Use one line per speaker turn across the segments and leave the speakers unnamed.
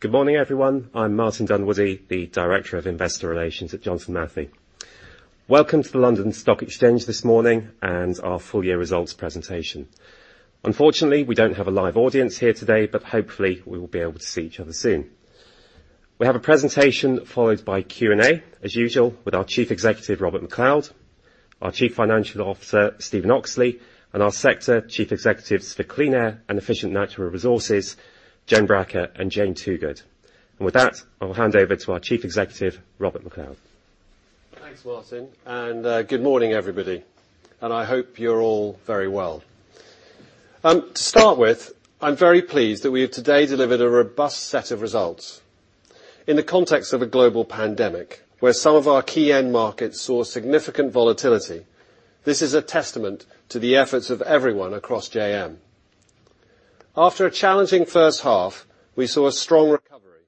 Good morning, everyone. I'm Martin Dunwoodie, the Director of Investor Relations at Johnson Matthey. Welcome to the London Stock Exchange this morning and our full year results presentation. Unfortunately, we don't have a live audience here today, but hopefully we will be able to see each other soon. We have a presentation followed by Q&A, as usual, with our Chief Executive, Robert MacLeod, our Chief Financial Officer, Stephen Oxley, and our Sector Chief Executives for Clean Air and Efficient Natural Resources, Joan Braca and Jane Toogood. With that, I will hand over to our Chief Executive, Robert MacLeod.
Thanks, Martin. Good morning, everybody. I hope you're all very well. To start with, I'm very pleased that we have today delivered a robust set of results. In the context of a global pandemic, where some of our key end markets saw significant volatility, this is a testament to the efforts of everyone across JM. After a challenging first half, we saw a strong recovery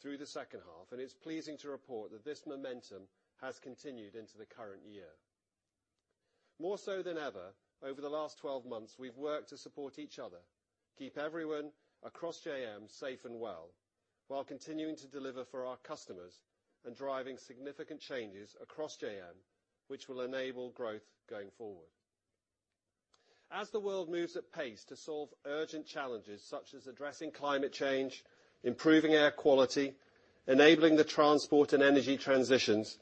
through the second half. It's pleasing to report that this momentum has continued into the current year. More so than ever, over the last 12 months, we've worked to support each other, keep everyone across JM safe and well, while continuing to deliver for our customers and driving significant changes across JM which will enable growth going forward. As the world moves at pace to solve urgent challenges such as addressing climate change, improving air quality, enabling the transport and energy transitions,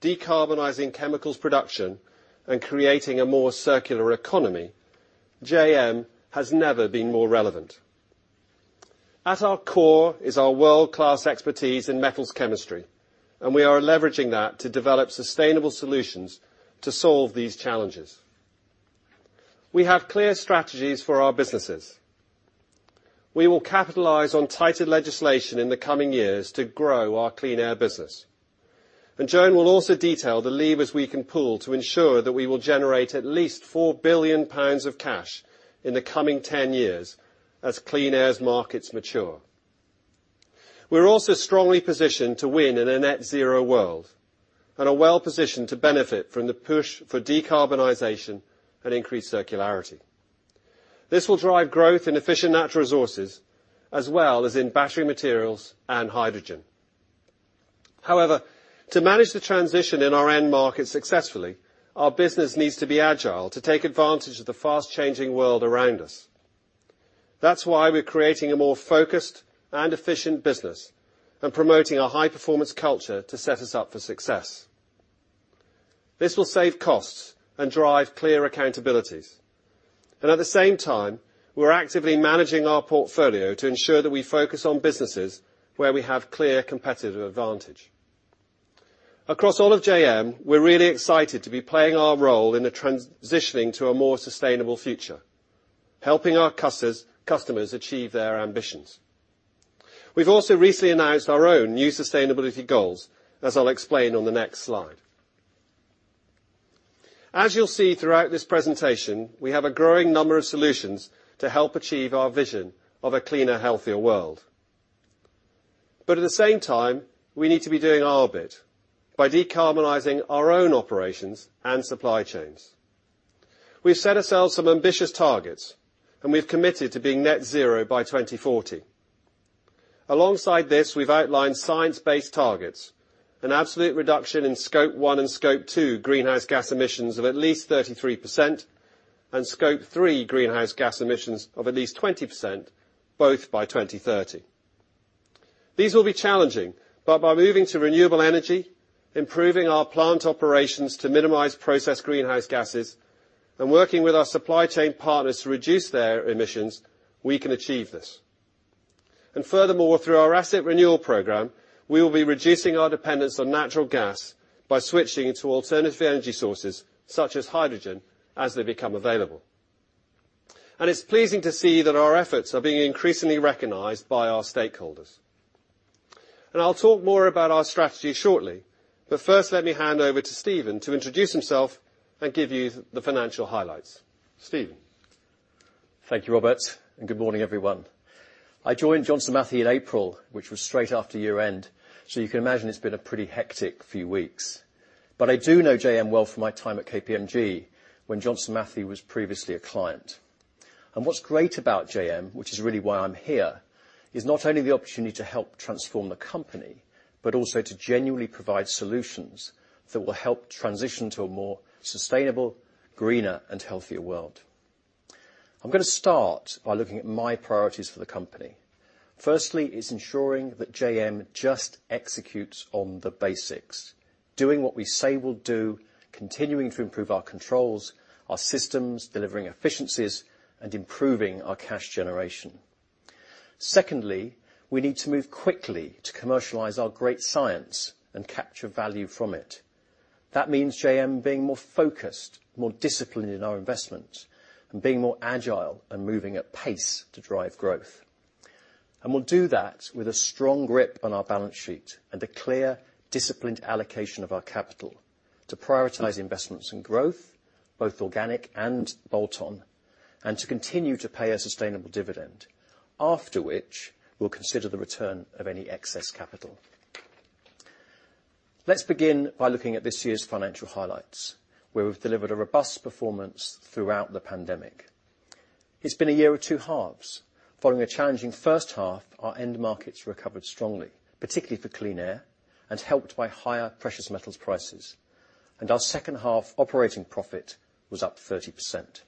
decarbonizing chemicals production, and creating a more circular economy, JM has never been more relevant. We are leveraging that to develop sustainable solutions to solve these challenges. We have clear strategies for our businesses. We will capitalize on tighter legislation in the coming years to grow our Clean Air business. Joan will also detail the levers we can pull to ensure that we will generate at least 4 billion pounds of cash in the coming 10 years as Clean Air's markets mature. We are also strongly positioned to win in a net zero world and are well-positioned to benefit from the push for decarbonization and increased circularity. This will drive growth in Efficient Natural Resources, as well as in battery materials and hydrogen. To manage the transition in our end market successfully, our business needs to be agile to take advantage of the fast-changing world around us. That's why we're creating a more focused and efficient business and promoting a high-performance culture to set us up for success. This will save costs and drive clear accountabilities. At the same time, we're actively managing our portfolio to ensure that we focus on businesses where we have clear competitive advantage. Across all of JM, we're really excited to be playing our role in the transitioning to a more sustainable future, helping our customers achieve their ambitions. We've also recently announced our own new sustainability goals, as I'll explain on the next slide. As you'll see throughout this presentation, we have a growing number of solutions to help achieve our vision of a cleaner, healthier world. At the same time, we need to be doing our bit by decarbonizing our own operations and supply chains. We've set ourselves some ambitious targets. We've committed to being net zero by 2040. Alongside this, we've outlined science-based targets, an absolute reduction in Scope 1 and Scope 2 greenhouse gas emissions of at least 33% and Scope 3 greenhouse gas emissions of at least 20%, both by 2030. These will be challenging. By moving to renewable energy, improving our plant operations to minimize processed greenhouse gases, working with our supply chain partners to reduce their emissions, we can achieve this. Furthermore, through our asset renewal program, we will be reducing our dependence on natural gas by switching to alternative energy sources such as hydrogen as they become available. It's pleasing to see that our efforts are being increasingly recognized by our stakeholders. I'll talk more about our strategy shortly, but first let me hand over to Stephen to introduce himself and give you the financial highlights. Stephen.
Thank you, Robert. Good morning, everyone. I joined Johnson Matthey in April, which was straight after year-end. You can imagine it's been a pretty hectic few weeks. I do know JM well from my time at KPMG when Johnson Matthey was previously a client. What's great about JM, which is really why I'm here, is not only the opportunity to help transform the company, but also to genuinely provide solutions that will help transition to a more sustainable, greener, and healthier world. I'm going to start by looking at my priorities for the company. Firstly, it's ensuring that JM just executes on the basics, doing what we say we'll do, continuing to improve our controls, our systems, delivering efficiencies, and improving our cash generation. Secondly, we need to move quickly to commercialize our great science and capture value from it. That means Johnson Matthey being more focused, more disciplined in our investment, and being more agile and moving at pace to drive growth. We'll do that with a strong grip on our balance sheet and a clear, disciplined allocation of our capital to prioritize investments and growth, both organic and bolt-on, and to continue to pay a sustainable dividend. After which, we'll consider the return of any excess capital. Let's begin by looking at this year's financial highlights, where we've delivered a robust performance throughout the pandemic. It's been a year of two halves. Following a challenging first half, our end markets recovered strongly, particularly for Clean Air, and helped by higher precious metals prices. Our second half operating profit was up 30%.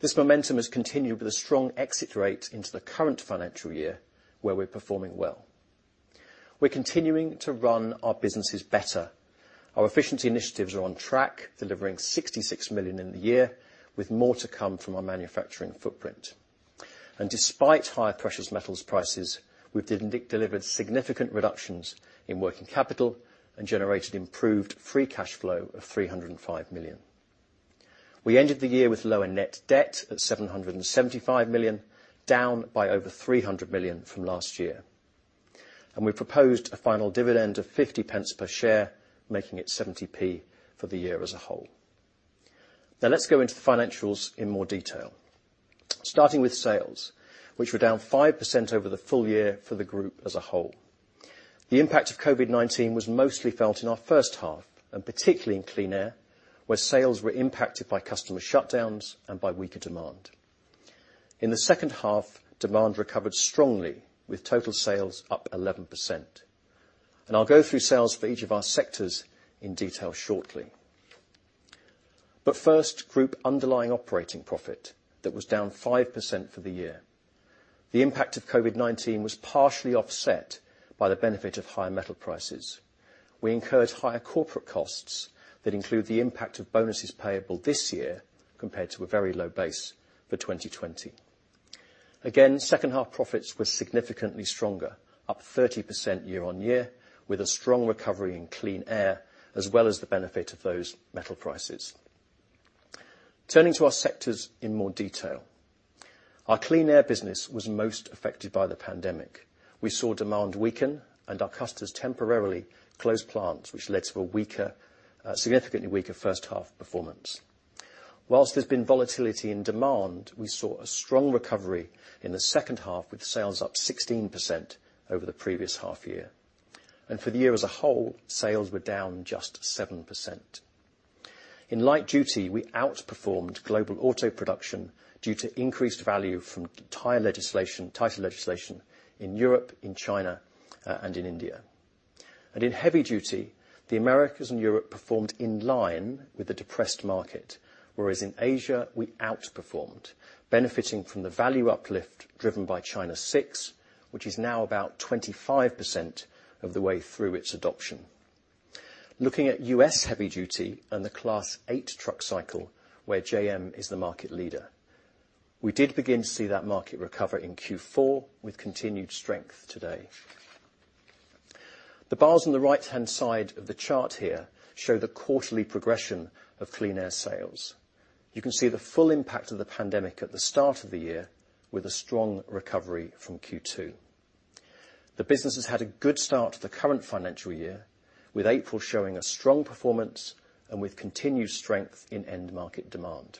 This momentum has continued with a strong exit rate into the current financial year, where we're performing well. We're continuing to run our businesses better. Our efficiency initiatives are on track, delivering 66 million in the year, with more to come from our manufacturing footprint. Despite higher precious metals prices, we've delivered significant reductions in working capital and generated improved free cash flow of 305 million. We ended the year with lower net debt at 775 million, down by over 300 million from last year. We proposed a final dividend of 0.50 per share, making it 0.70 for the year as a whole. Let's go into the financials in more detail. Starting with sales, which were down 5% over the full year for the group as a whole. The impact of COVID-19 was mostly felt in our first half, particularly in Clean Air, where sales were impacted by customer shutdowns and by weaker demand. In the second half, demand recovered strongly with total sales up 11%. I'll go through sales for each of our sectors in detail shortly. First, group underlying operating profit that was down 5% for the year. The impact of COVID-19 was partially offset by the benefit of higher metal prices. We incurred higher corporate costs that include the impact of bonuses payable this year, compared to a very low base for 2020. Again, second half profits were significantly stronger, up 30% year-on-year, with a strong recovery in Clean Air, as well as the benefit of those metal prices. Turning to our sectors in more detail. Our Clean Air business was most affected by the pandemic. We saw demand weaken and our customers temporarily closed plants, which led to a significantly weaker first half performance. While there's been volatility in demand, we saw a strong recovery in the second half with sales up 16% over the previous half-year. For the year as a whole, sales were down just 7%. In light-duty, we outperformed global auto production due to increased value from tighter legislation in Europe, in China, and in India. In heavy-duty, the Americas and Europe performed in line with the depressed market, whereas in Asia we outperformed, benefiting from the value uplift driven by China VI, which is now about 25% of the way through its adoption. Looking at U.S. heavy-duty and the Class 8 truck cycle, where JM is the market leader, we did begin to see that market recover in Q4 with continued strength today. The bars on the right-hand side of the chart here show the quarterly progression of Clean Air sales. You can see the full impact of the pandemic at the start of the year with a strong recovery from Q2. The business has had a good start to the current financial year, with April showing a strong performance and with continued strength in end market demand.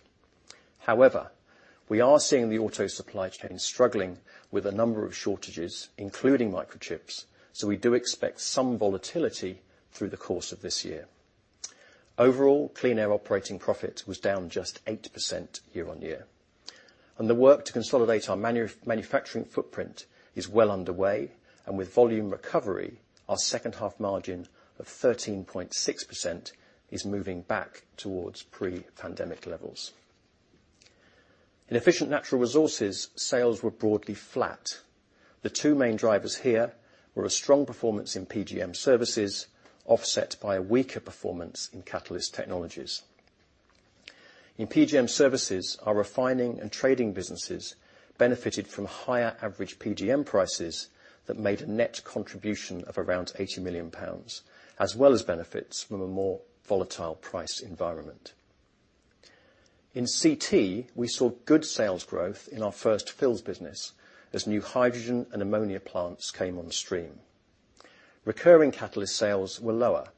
We are seeing the auto supply chain struggling with a number of shortages, including microchips, so we do expect some volatility through the course of this year. Overall, Clean Air operating profit was down just 8% year-on-year. The work to consolidate our manufacturing footprint is well underway, and with volume recovery, our second half margin of 13.6% is moving back towards pre-pandemic levels. In Efficient Natural Resources, sales were broadly flat. The two main drivers here were a strong performance in PGM Services, offset by a weaker performance in Catalyst Technologies. In PGM Services, our refining and trading businesses benefited from higher average PGM prices that made a net contribution of around 80 million pounds, as well as benefits from a more volatile price environment. In CT, we saw good sales growth in our first fills business as new hydrogen and ammonia plants came on stream. Recurring catalyst sales were lower.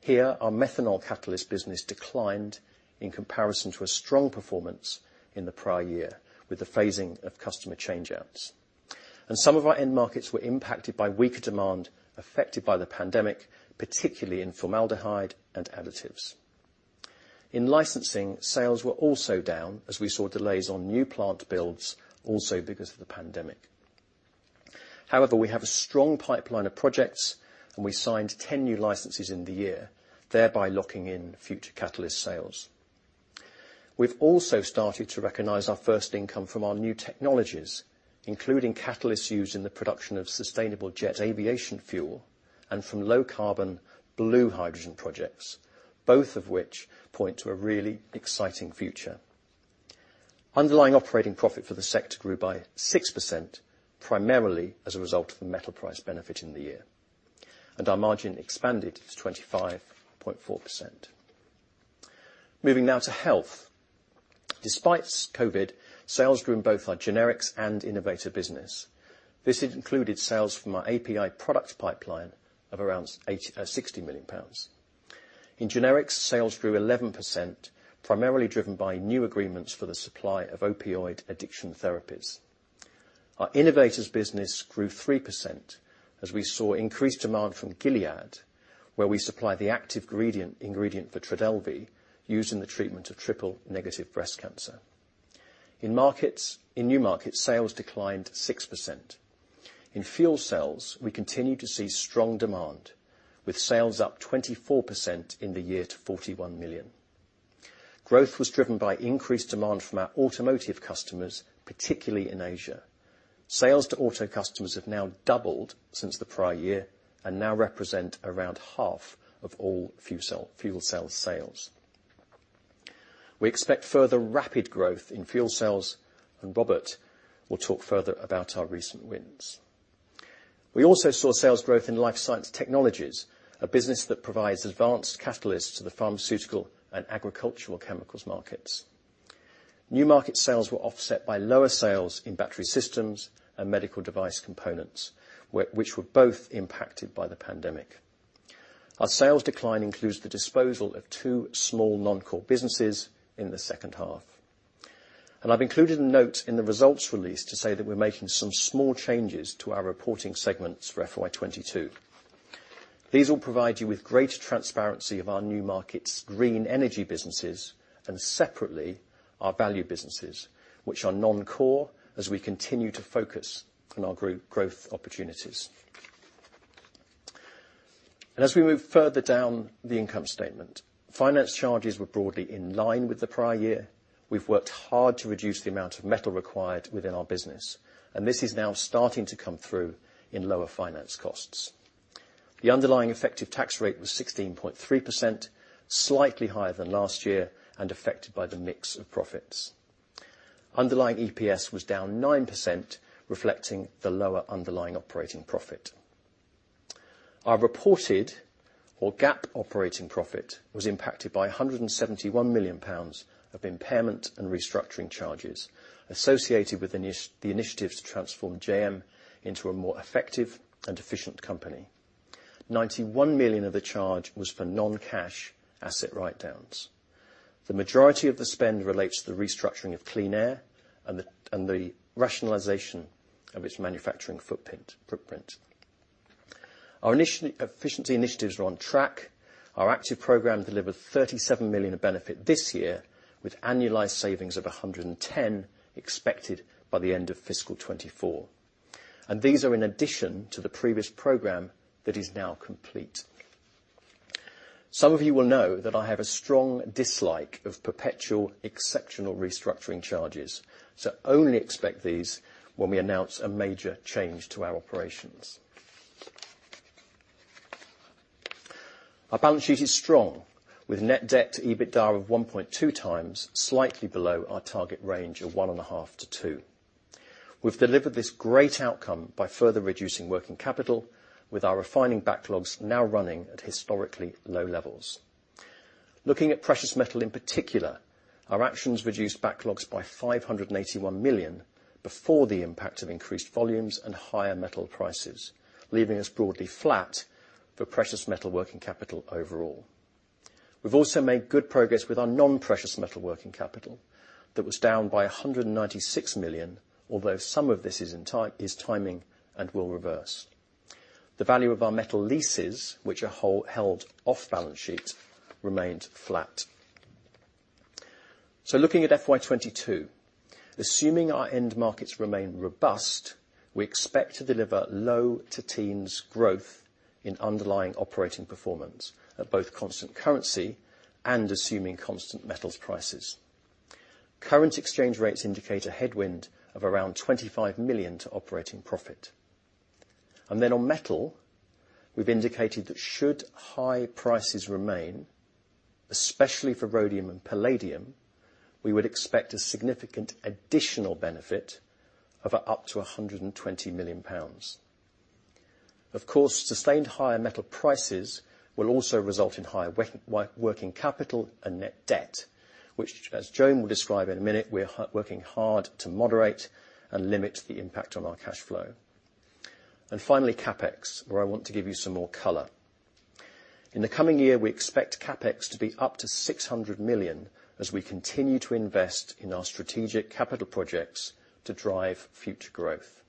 Here, our methanol catalyst business declined in comparison to a strong performance in the prior year with the phasing of customer change-outs. Some of our end markets were impacted by weaker demand affected by the pandemic, particularly in formaldehyde and additives. In licensing, sales were also down as we saw delays on new plant builds, also because of the pandemic. However, we have a strong pipeline of projects, and we signed 10 new licenses in the year, thereby locking in future catalyst sales. We've also started to recognize our first income from our new technologies, including catalysts used in the production of sustainable aviation fuel and from low carbon blue hydrogen projects, both of which point to a really exciting future. Underlying operating profit for the sector grew by 6%, primarily as a result of the metal price benefit in the year. Our margin expanded to 25.4%. Moving now to health. Despite COVID, sales grew in both our generics and innovator business. This included sales from our API product pipeline of around 60 million pounds. In generics, sales grew 11%, primarily driven by new agreements for the supply of opioid addiction therapies. Our innovators business grew 3% as we saw increased demand from Gilead, where we supply the active ingredient for TRODELVY used in the treatment of triple-negative breast cancer. In new markets, sales declined 6%. In fuel cells, we continue to see strong demand, with sales up 24% in the year to 41 million. Growth was driven by increased demand from our automotive customers, particularly in Asia. Sales to auto customers have now doubled since the prior year and now represent around half of all fuel cell sales. We expect further rapid growth in fuel cells. Robert will talk further about our recent wins. We also saw sales growth in Life Science Technologies, a business that provides advanced catalysts to the pharmaceutical and agricultural chemicals markets. New market sales were offset by lower sales in battery systems and medical device components, which were both impacted by the pandemic. Our sales decline includes the disposal of two small non-core businesses in the second half. I've included a note in the results release to say that we're making some small changes to our reporting segments for FY 2022. These will provide you with greater transparency of our new market's green energy businesses and separately our value businesses, which are non-core as we continue to focus on our growth opportunities. As we move further down the income statement, finance charges were broadly in line with the prior year. We've worked hard to reduce the amount of metal required within our business, and this is now starting to come through in lower finance costs. The underlying effective tax rate was 16.3%, slightly higher than last year and affected by the mix of profits. Underlying EPS was down 9%, reflecting the lower underlying operating profit. Our reported or GAAP operating profit was impacted by 171 million pounds of impairment and restructuring charges associated with the initiatives to transform JM into a more effective and efficient company. 91 million of the charge was for non-cash asset write-downs. The majority of the spend relates to the restructuring of Clean Air and the rationalization of its manufacturing footprint. Our efficiency initiatives are on track. Our active program delivered 37 million of benefit this year, with annualized savings of 110 million expected by the end of fiscal 2024. These are in addition to the previous program that is now complete. Some of you will know that I have a strong dislike of perpetual exceptional restructuring charges. Only expect these when we announce a major change to our operations. Our balance sheet is strong, with net debt to EBITDA of 1.2x, slightly below our target range of 1.5-2. We've delivered this great outcome by further reducing working capital with our refining backlogs now running at historically low levels. Looking at precious metal in particular, our actions reduced backlogs by 581 million before the impact of increased volumes and higher metal prices. Leaving us broadly flat for precious metal working capital overall. We've also made good progress with our non-precious metal working capital that was down by 196 million, although some of this is timing and will reverse. The value of our metal leases, which are held off balance sheet, remained flat. Looking at FY 2022, assuming our end markets remain robust, we expect to deliver low to mid-teens growth in underlying operating performance at both constant currency and assuming constant metals prices. Current exchange rates indicate a headwind of around 25 million to operating profit. On metal, we've indicated that should high prices remain, especially for rhodium and palladium, we would expect a significant additional benefit of up to 120 million pounds. Of course, sustained higher metal prices will also result in higher working capital and net debt, which as Joan will describe in a minute, we are working hard to moderate and limit the impact on our cash flow. Finally, CapEx, where I want to give you some more color. In the coming year, we expect CapEx to be up to 600 million as we continue to invest in our strategic capital projects to drive future growth.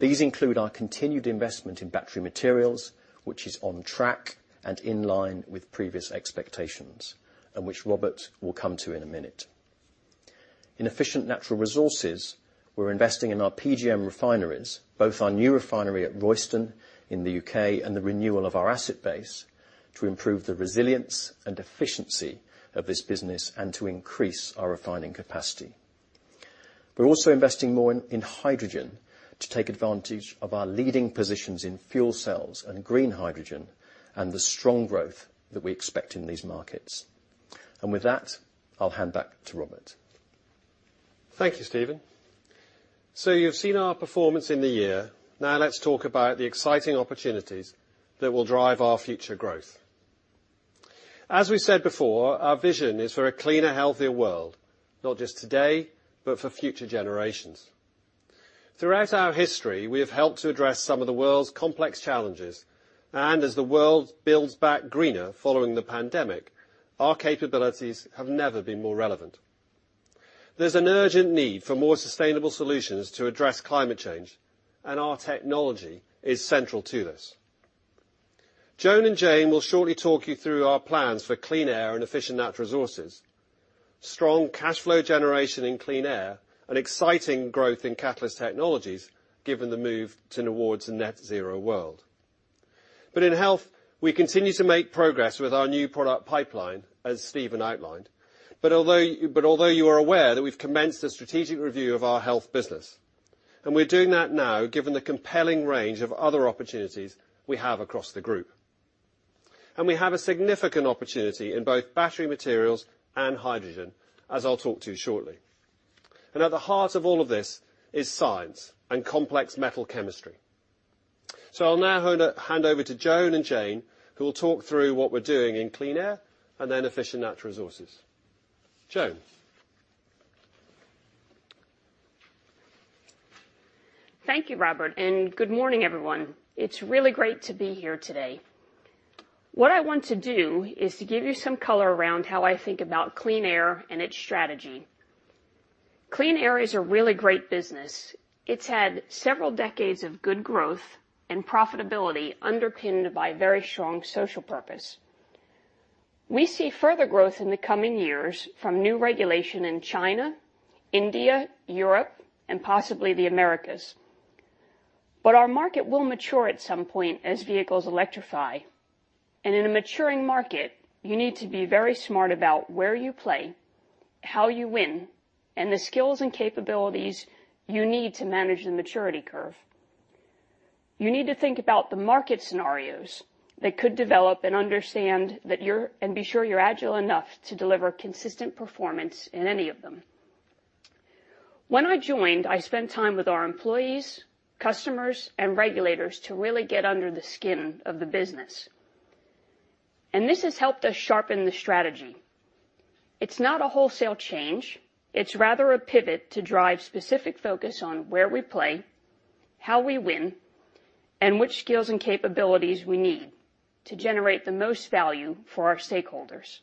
These include our continued investment in battery materials, which is on track and in line with previous expectations, and which Robert will come to in a minute. In Efficient Natural Resources, we're investing in our PGM refineries, both our new refinery at Royston in the U.K. and the renewal of our asset base to improve the resilience and efficiency of this business and to increase our refining capacity. We're also investing more in hydrogen to take advantage of our leading positions in fuel cells and green hydrogen and the strong growth that we expect in these markets. With that, I'll hand back to Robert.
Thank you, Stephen. You've seen our performance in the year. Now let's talk about the exciting opportunities that will drive our future growth. As we said before, our vision is for a cleaner, healthier world, not just today, but for future generations. Throughout our history, we have helped to address some of the world's complex challenges, and as the world builds back greener following the pandemic, our capabilities have never been more relevant. There's an urgent need for more sustainable solutions to address climate change. Our technology is central to this. Joan and Jane will shortly talk you through our plans for Clean Air and Efficient Natural Resources. Strong cash flow generation in Clean Air, an exciting growth in Catalyst Technologies given the move towards a net zero world. In Health, we continue to make progress with our new product pipeline, as Stephen outlined. Although you are aware that we've commenced a strategic review of our Health business, we're doing that now given the compelling range of other opportunities we have across the group. We have a significant opportunity in both battery materials and hydrogen, as I'll talk to you shortly. At the heart of all of this is science and complex metal chemistry. I'll now hand over to Joan and Jane, who will talk through what we're doing in Clean Air and then Efficient Natural Resources. Joan.
Thank you, Robert. Good morning, everyone. It's really great to be here today. What I want to do is to give you some color around how I think about Clean Air and its strategy. Clean Air is a really great business. It's had several decades of good growth and profitability underpinned by very strong social purpose. We see further growth in the coming years from new regulation in China, India, Europe, and possibly the Americas. Our market will mature at some point as vehicles electrify, and in a maturing market, you need to be very smart about where you play, how you win, and the skills and capabilities you need to manage the maturity curve. You need to think about the market scenarios that could develop and be sure you're agile enough to deliver consistent performance in any of them. When I joined, I spent time with our employees, customers, and regulators to really get under the skin of the business. This has helped us sharpen the strategy. It's not a wholesale change. It's rather a pivot to drive specific focus on where we play, how we win, and which skills and capabilities we need to generate the most value for our stakeholders.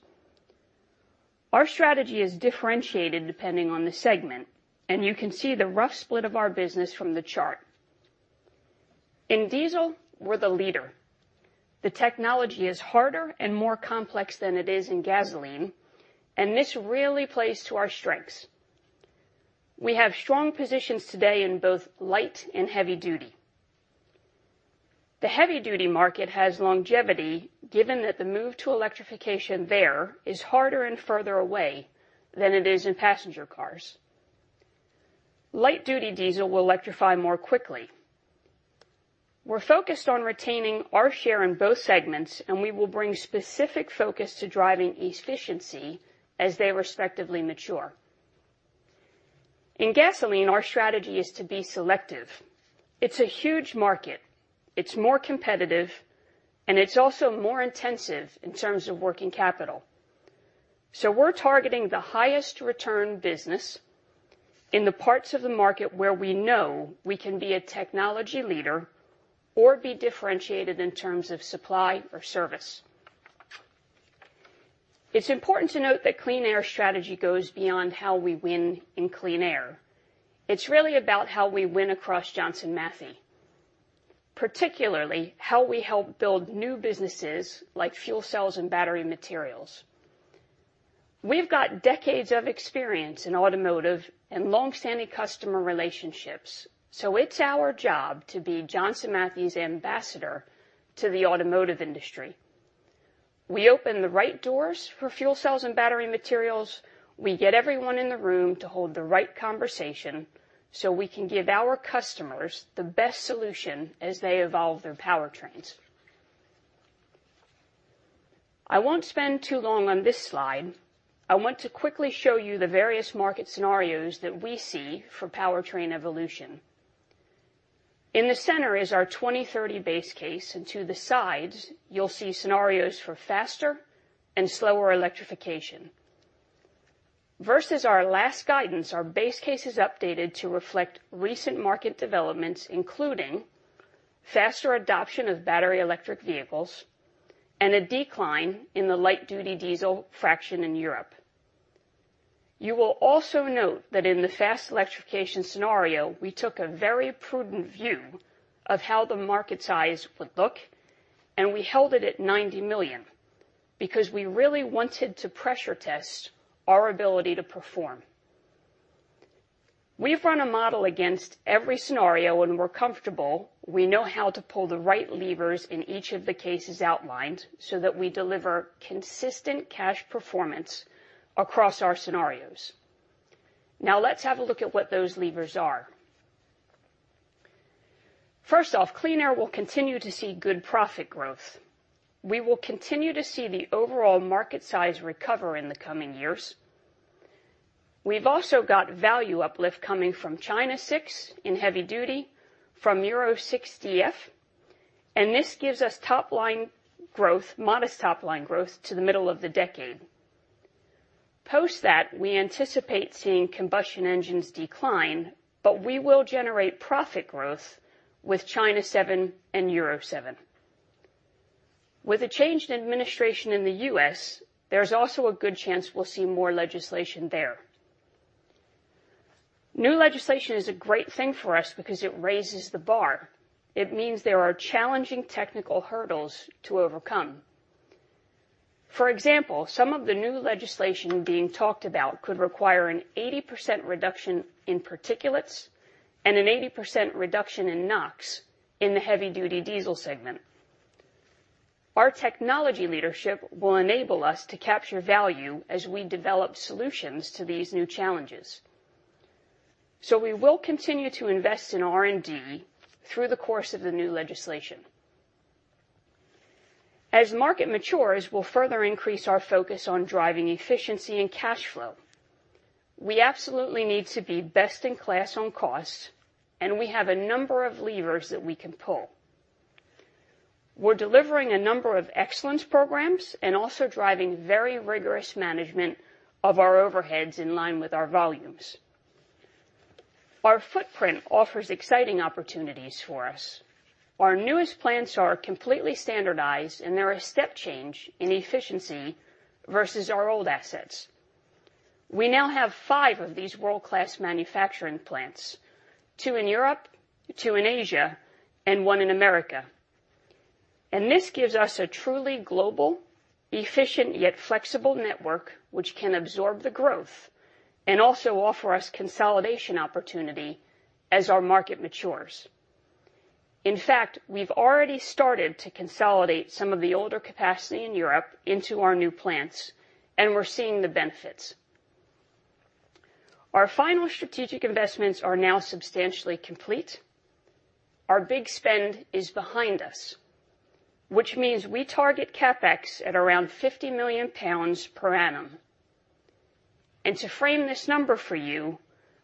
Our strategy is differentiated depending on the segment, and you can see the rough split of our business from the chart. In diesel, we're the leader. The technology is harder and more complex than it is in gasoline, and this really plays to our strengths. We have strong positions today in both light and heavy duty. The heavy duty market has longevity given that the move to electrification there is harder and further away than it is in passenger cars. Light duty diesel will electrify more quickly. We're focused on retaining our share in both segments, and we will bring specific focus to driving efficiency as they respectively mature. In gasoline, our strategy is to be selective. It's a huge market. It's more competitive, and it's also more intensive in terms of working capital. We're targeting the highest return business in the parts of the market where we know we can be a technology leader or be differentiated in terms of supply or service. It's important to note that Clean Air strategy goes beyond how we win in Clean Air. It's really about how we win across Johnson Matthey. Particularly, how we help build new businesses like fuel cells and battery materials. We've got decades of experience in automotive and long-standing customer relationships, so it's our job to be Johnson Matthey's ambassador to the automotive industry. We open the right doors for fuel cells and battery materials. We get everyone in the room to hold the right conversation so we can give our customers the best solution as they evolve their powertrains. I won't spend too long on this slide. I want to quickly show you the various market scenarios that we see for powertrain evolution. In the center is our 2030 base case, and to the sides, you'll see scenarios for faster and slower electrification. Versus our last guidance, our base case is updated to reflect recent market developments, including faster adoption of battery electric vehicles and a decline in the light-duty diesel fraction in Europe. You will also note that in the fast electrification scenario, we took a very prudent view of how the market size would look, and we held it at 90 million because we really wanted to pressure test our ability to perform. We've run a model against every scenario and we're comfortable we know how to pull the right levers in each of the cases outlined so that we deliver consistent cash performance across our scenarios. Now let's have a look at what those levers are. First off, Clean Air will continue to see good profit growth. We will continue to see the overall market size recover in the coming years. We've also got value uplift coming from China VI in heavy duty, from Euro 6d-ISC-FCM, and this gives us modest top-line growth to the middle of the decade. Post that, we anticipate seeing combustion engines decline, we will generate profit growth with China VII and Euro 7. With a changed administration in the U.S., there's also a good chance we'll see more legislation there. New legislation is a great thing for us because it raises the bar. It means there are challenging technical hurdles to overcome. For example, some of the new legislation being talked about could require an 80% reduction in particulates and an 80% reduction in NOx in the heavy-duty diesel segment. Our technology leadership will enable us to capture value as we develop solutions to these new challenges. We will continue to invest in R&D through the course of the new legislation. As the market matures, we'll further increase our focus on driving efficiency and cash flow. We absolutely need to be best in class on costs, and we have a number of levers that we can pull. We're delivering a number of excellence programs and also driving very rigorous management of our overheads in line with our volumes. Our footprint offers exciting opportunities for us. Our newest plants are completely standardized, and they're a step change in efficiency versus our old assets. We now have five of these world-class manufacturing plants, two in Europe, two in Asia, and one in America. This gives us a truly global, efficient, yet flexible network which can absorb the growth and also offer us consolidation opportunity as our market matures. In fact, we've already started to consolidate some of the older capacity in Europe into our new plants, and we're seeing the benefits. Our final strategic investments are now substantially complete. Our big spend is behind us, which means we target CapEx at around 50 million pounds per annum. To frame this number for you,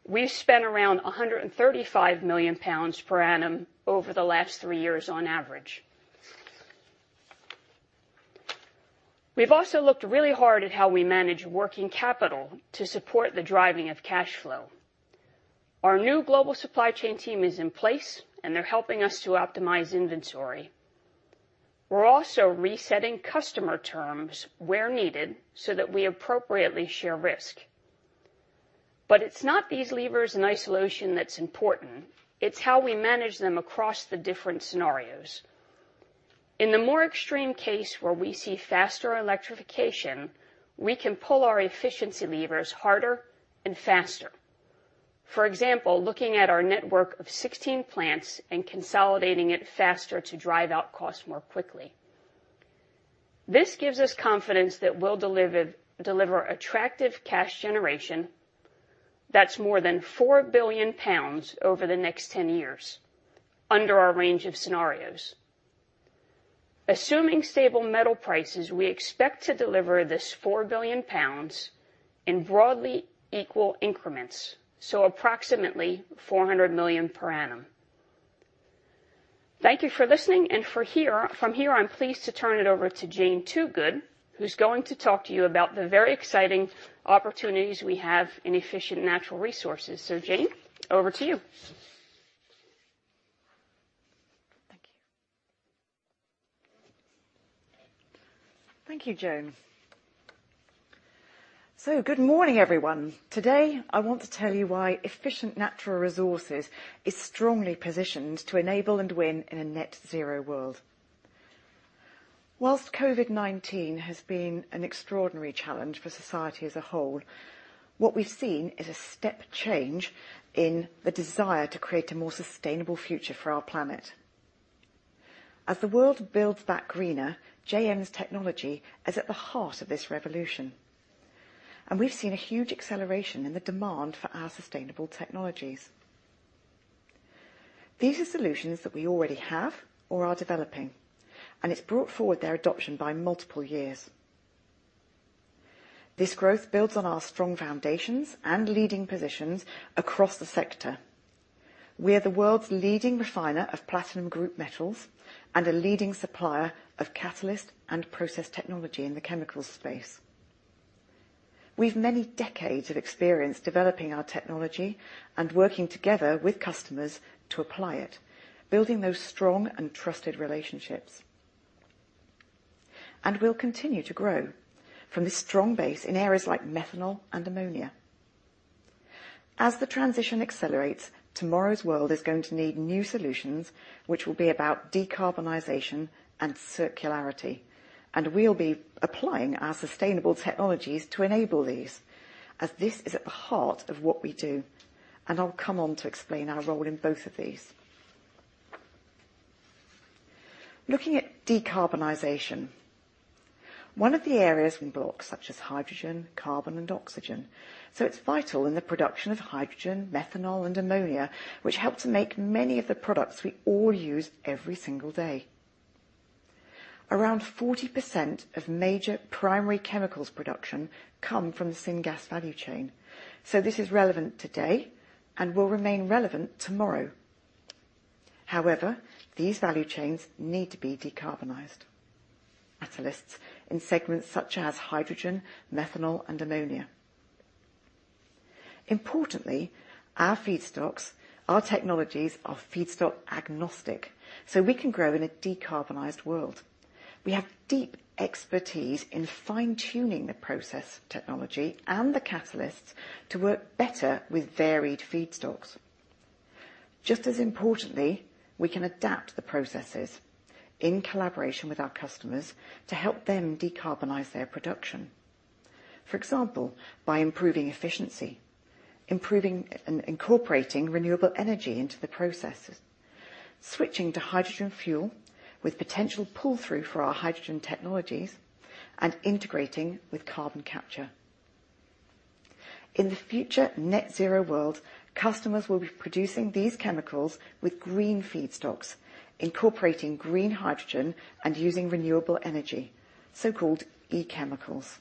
we've spent around 135 million pounds per annum over the last three years on average. We've also looked really hard at how we manage working capital to support the driving of cash flow. Our new global supply chain team is in place, and they're helping us to optimize inventory. We're also resetting customer terms where needed so that we appropriately share risk. It's not these levers in isolation that's important, it's how we manage them across the different scenarios. In the more extreme case, where we see faster electrification, we can pull our efficiency levers harder and faster. For example, looking at our network of 16 plants and consolidating it faster to drive out cost more quickly. This gives us confidence that we'll deliver attractive cash generation that's more than 4 billion pounds over the next 10 years under our range of scenarios. Assuming stable metal prices, we expect to deliver this 4 billion pounds in broadly equal increments, so approximately 400 million per annum. Thank you for listening and from here, I'm pleased to turn it over to Jane Toogood, who's going to talk to you about the very exciting opportunities we have in Efficient Natural Resources. Jane, over to you.
Thank you. Thank you, Joan Braca. Good morning, everyone. Today, I want to tell you why Efficient Natural Resources is strongly positioned to enable and win in a net zero world. While COVID-19 has been an extraordinary challenge for society as a whole, what we've seen is a step change in the desire to create a more sustainable future for our planet. As the world builds back greener, JM's technology is at the heart of this revolution, and we've seen a huge acceleration in the demand for our sustainable technologies. These are solutions that we already have or are developing, and it's brought forward their adoption by multiple years. This growth builds on our strong foundations and leading positions across the sector. We are the world's leading refiner of platinum group metals and a leading supplier of catalyst and process technology in the chemicals space. We've many decades of experience developing our technology and working together with customers to apply it, building those strong and trusted relationships. We'll continue to grow from this strong base in areas like methanol and ammonia. As the transition accelerates, tomorrow's world is going to need new solutions, which will be about decarbonization and circularity, and we'll be applying our sustainable technologies to enable these, as this is at the heart of what we do. I'll come on to explain our role in both of these. Looking at decarbonization. One of the areas we unlock such as hydrogen, carbon, and oxygen. It's vital in the production of hydrogen, methanol, and ammonia, which help to make many of the products we all use every single day. Around 40% of major primary chemicals production come from the syngas value chain. This is relevant today and will remain relevant tomorrow. However, these value chains need to be decarbonized. Catalysts in segments such as hydrogen, methanol, and ammonia. Importantly, our technologies are feedstock agnostic, so we can grow in a decarbonized world. We have deep expertise in fine-tuning the process technology and the catalysts to work better with varied feedstocks. Just as importantly, we can adapt the processes in collaboration with our customers to help them decarbonize their production. For example, by improving efficiency, improving and incorporating renewable energy into the processes, switching to hydrogen fuel with potential pull-through for our hydrogen technologies, and integrating with carbon capture. In the future net zero world, customers will be producing these chemicals with green feedstocks, incorporating green hydrogen and using renewable energy, so-called e-chemicals.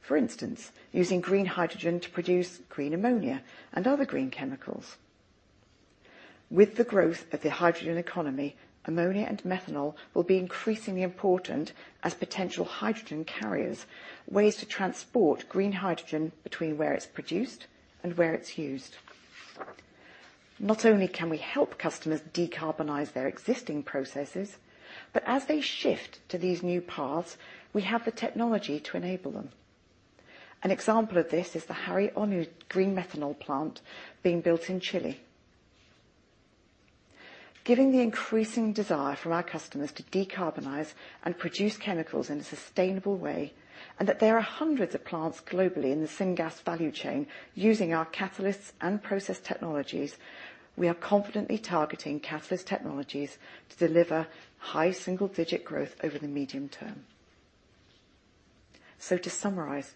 For instance, using green hydrogen to produce green ammonia and other green chemicals. With the growth of the hydrogen economy, ammonia and methanol will be increasingly important as potential hydrogen carriers, ways to transport green hydrogen between where it is produced and where it is used. Not only can we help customers decarbonize their existing processes, but as they shift to these new paths, we have the technology to enable them. An example of this is the Haru Oni green methanol plant being built in Chile. Given the increasing desire for our customers to decarbonize and produce chemicals in a sustainable way, and that there are hundreds of plants globally in the syngas value chain using our catalysts and process technologies, we are confidently targeting Catalyst Technologies to deliver high single-digit growth over the medium term. To summarize,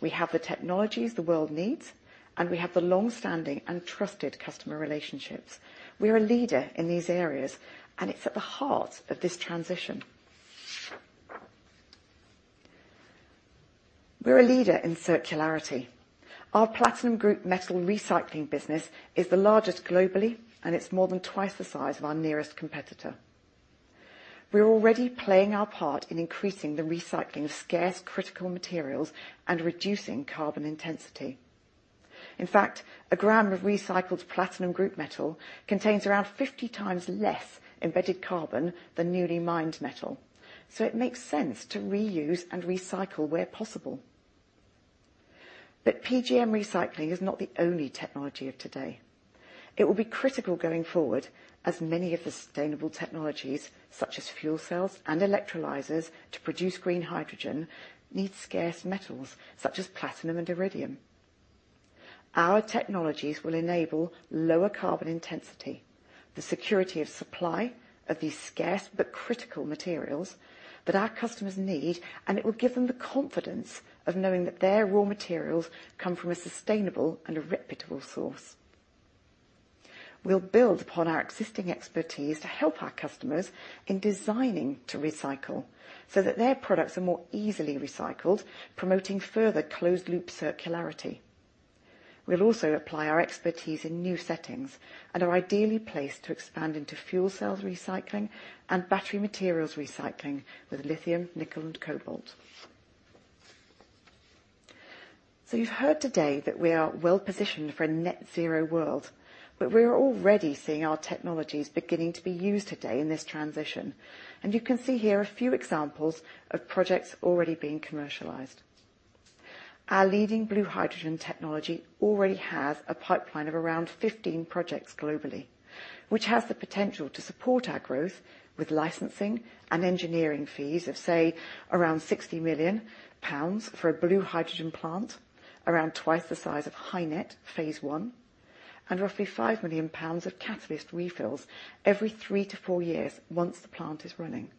we have the technologies the world needs, and we have the longstanding and trusted customer relationships. We are a leader in these areas it's at the heart of this transition. We're a leader in circularity. Our platinum group metal recycling business is the largest globally, and it's more than twice the size of our nearest competitor. We are already playing our part in increasing the recycling of scarce critical materials and reducing carbon intensity. In fact, a gram of recycled platinum group metal contains around 50 times less embedded carbon than newly mined metal. It makes sense to reuse and recycle where possible. PGM recycling is not the only technology of today. It will be critical going forward as many of the sustainable technologies, such as fuel cells and electrolyzers to produce green hydrogen, need scarce metals such as platinum and iridium. Our technologies will enable lower carbon intensity, the security of supply of these scarce but critical materials that our customers need, and it will give them the confidence of knowing that their raw materials come from a sustainable and a reputable source. We'll build upon our existing expertise to help our customers in designing to recycle so that their products are more easily recycled, promoting further closed loop circularity. We'll also apply our expertise in new settings and are ideally placed to expand into fuel cells recycling and battery materials recycling with lithium, nickel, and cobalt. You've heard today that we are well positioned for a net zero world, but we are already seeing our technologies beginning to be used today in this transition. You can see here a few examples of projects already being commercialized. Our leading blue hydrogen technology already has a pipeline of around 15 projects globally, which has the potential to support our growth with licensing and engineering fees of, say, around 60 million pounds for a blue hydrogen plant, around twice the size of HyNet phase 1, and roughly 5 million pounds of catalyst refills every three to four years once the plant is running.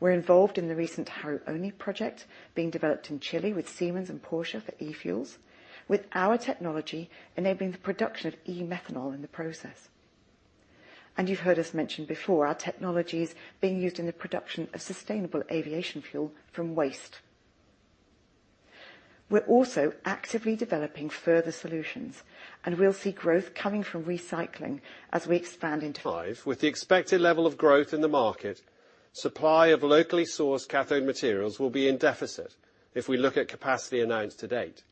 We're involved in the recent Haru Oni project being developed in Chile with Siemens Energy and Porsche for e-fuels. With our technology enabling the production of e-methanol in the process. You've heard us mention before, our technology is being used in the production of sustainable aviation fuel from waste. We're also actively developing further solutions, and we'll see growth coming from recycling as we expand into.
Five, with the expected level of growth in the market, supply of locally sourced cathode materials will be in deficit if we look at capacity announced to date.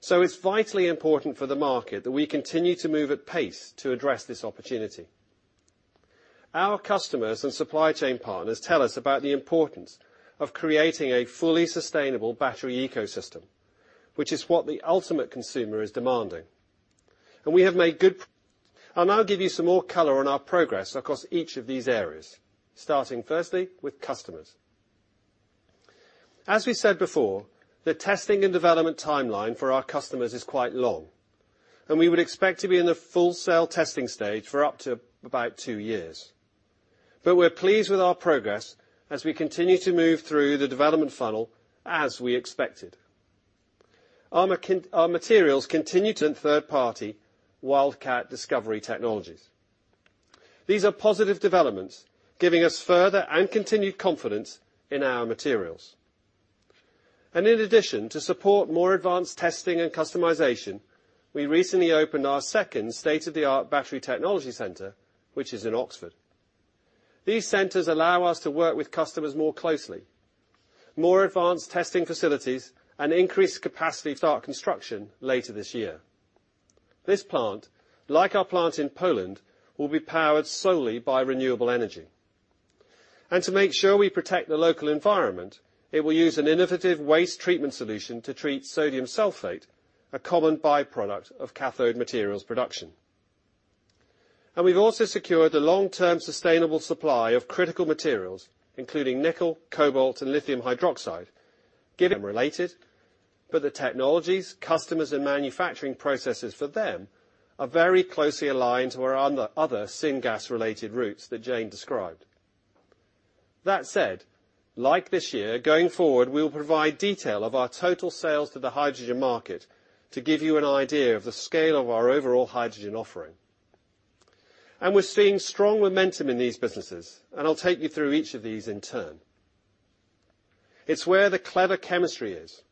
It's vitally important for the market that we continue to move at pace to address this opportunity. Our customers and supply chain partners tell us about the importance of creating a fully sustainable battery ecosystem, which is what the ultimate consumer is demanding. I'll now give you some more color on our progress across each of these areas, starting firstly with customers. As we said before, the testing and development timeline for our customers is quite long, and we would expect to be in the full cell testing stage for up to about two years. We're pleased with our progress as we continue to move through the development funnel as we expected. Our materials continue to third party Wildcat Discovery Technologies. These are positive developments giving us further and continued confidence in our materials. In addition, to support more advanced testing and customization, we recently opened our second state-of-the-art battery technology center, which is in Oxford. These centers allow us to work with customers more closely, more advanced testing facilities and increased capacity to start construction later this year. This plant, like our plant in Poland, will be powered solely by renewable energy. To make sure we protect the local environment, it will use an innovative waste treatment solution to treat sodium sulfate, a common byproduct of cathode materials production. We've also secured a long-term sustainable supply of critical materials, including nickel, cobalt, and lithium hydroxide, given related, but the technologies, customers and manufacturing processes for them are very closely aligned to our other syngas related routes that Jane described. That said, like this year, going forward, we will provide detail of our total sales to the hydrogen market to give you an idea of the scale of our overall hydrogen offering. We're seeing strong momentum in these businesses. I'll take you through each of these in turn. It's where the clever chemistry is.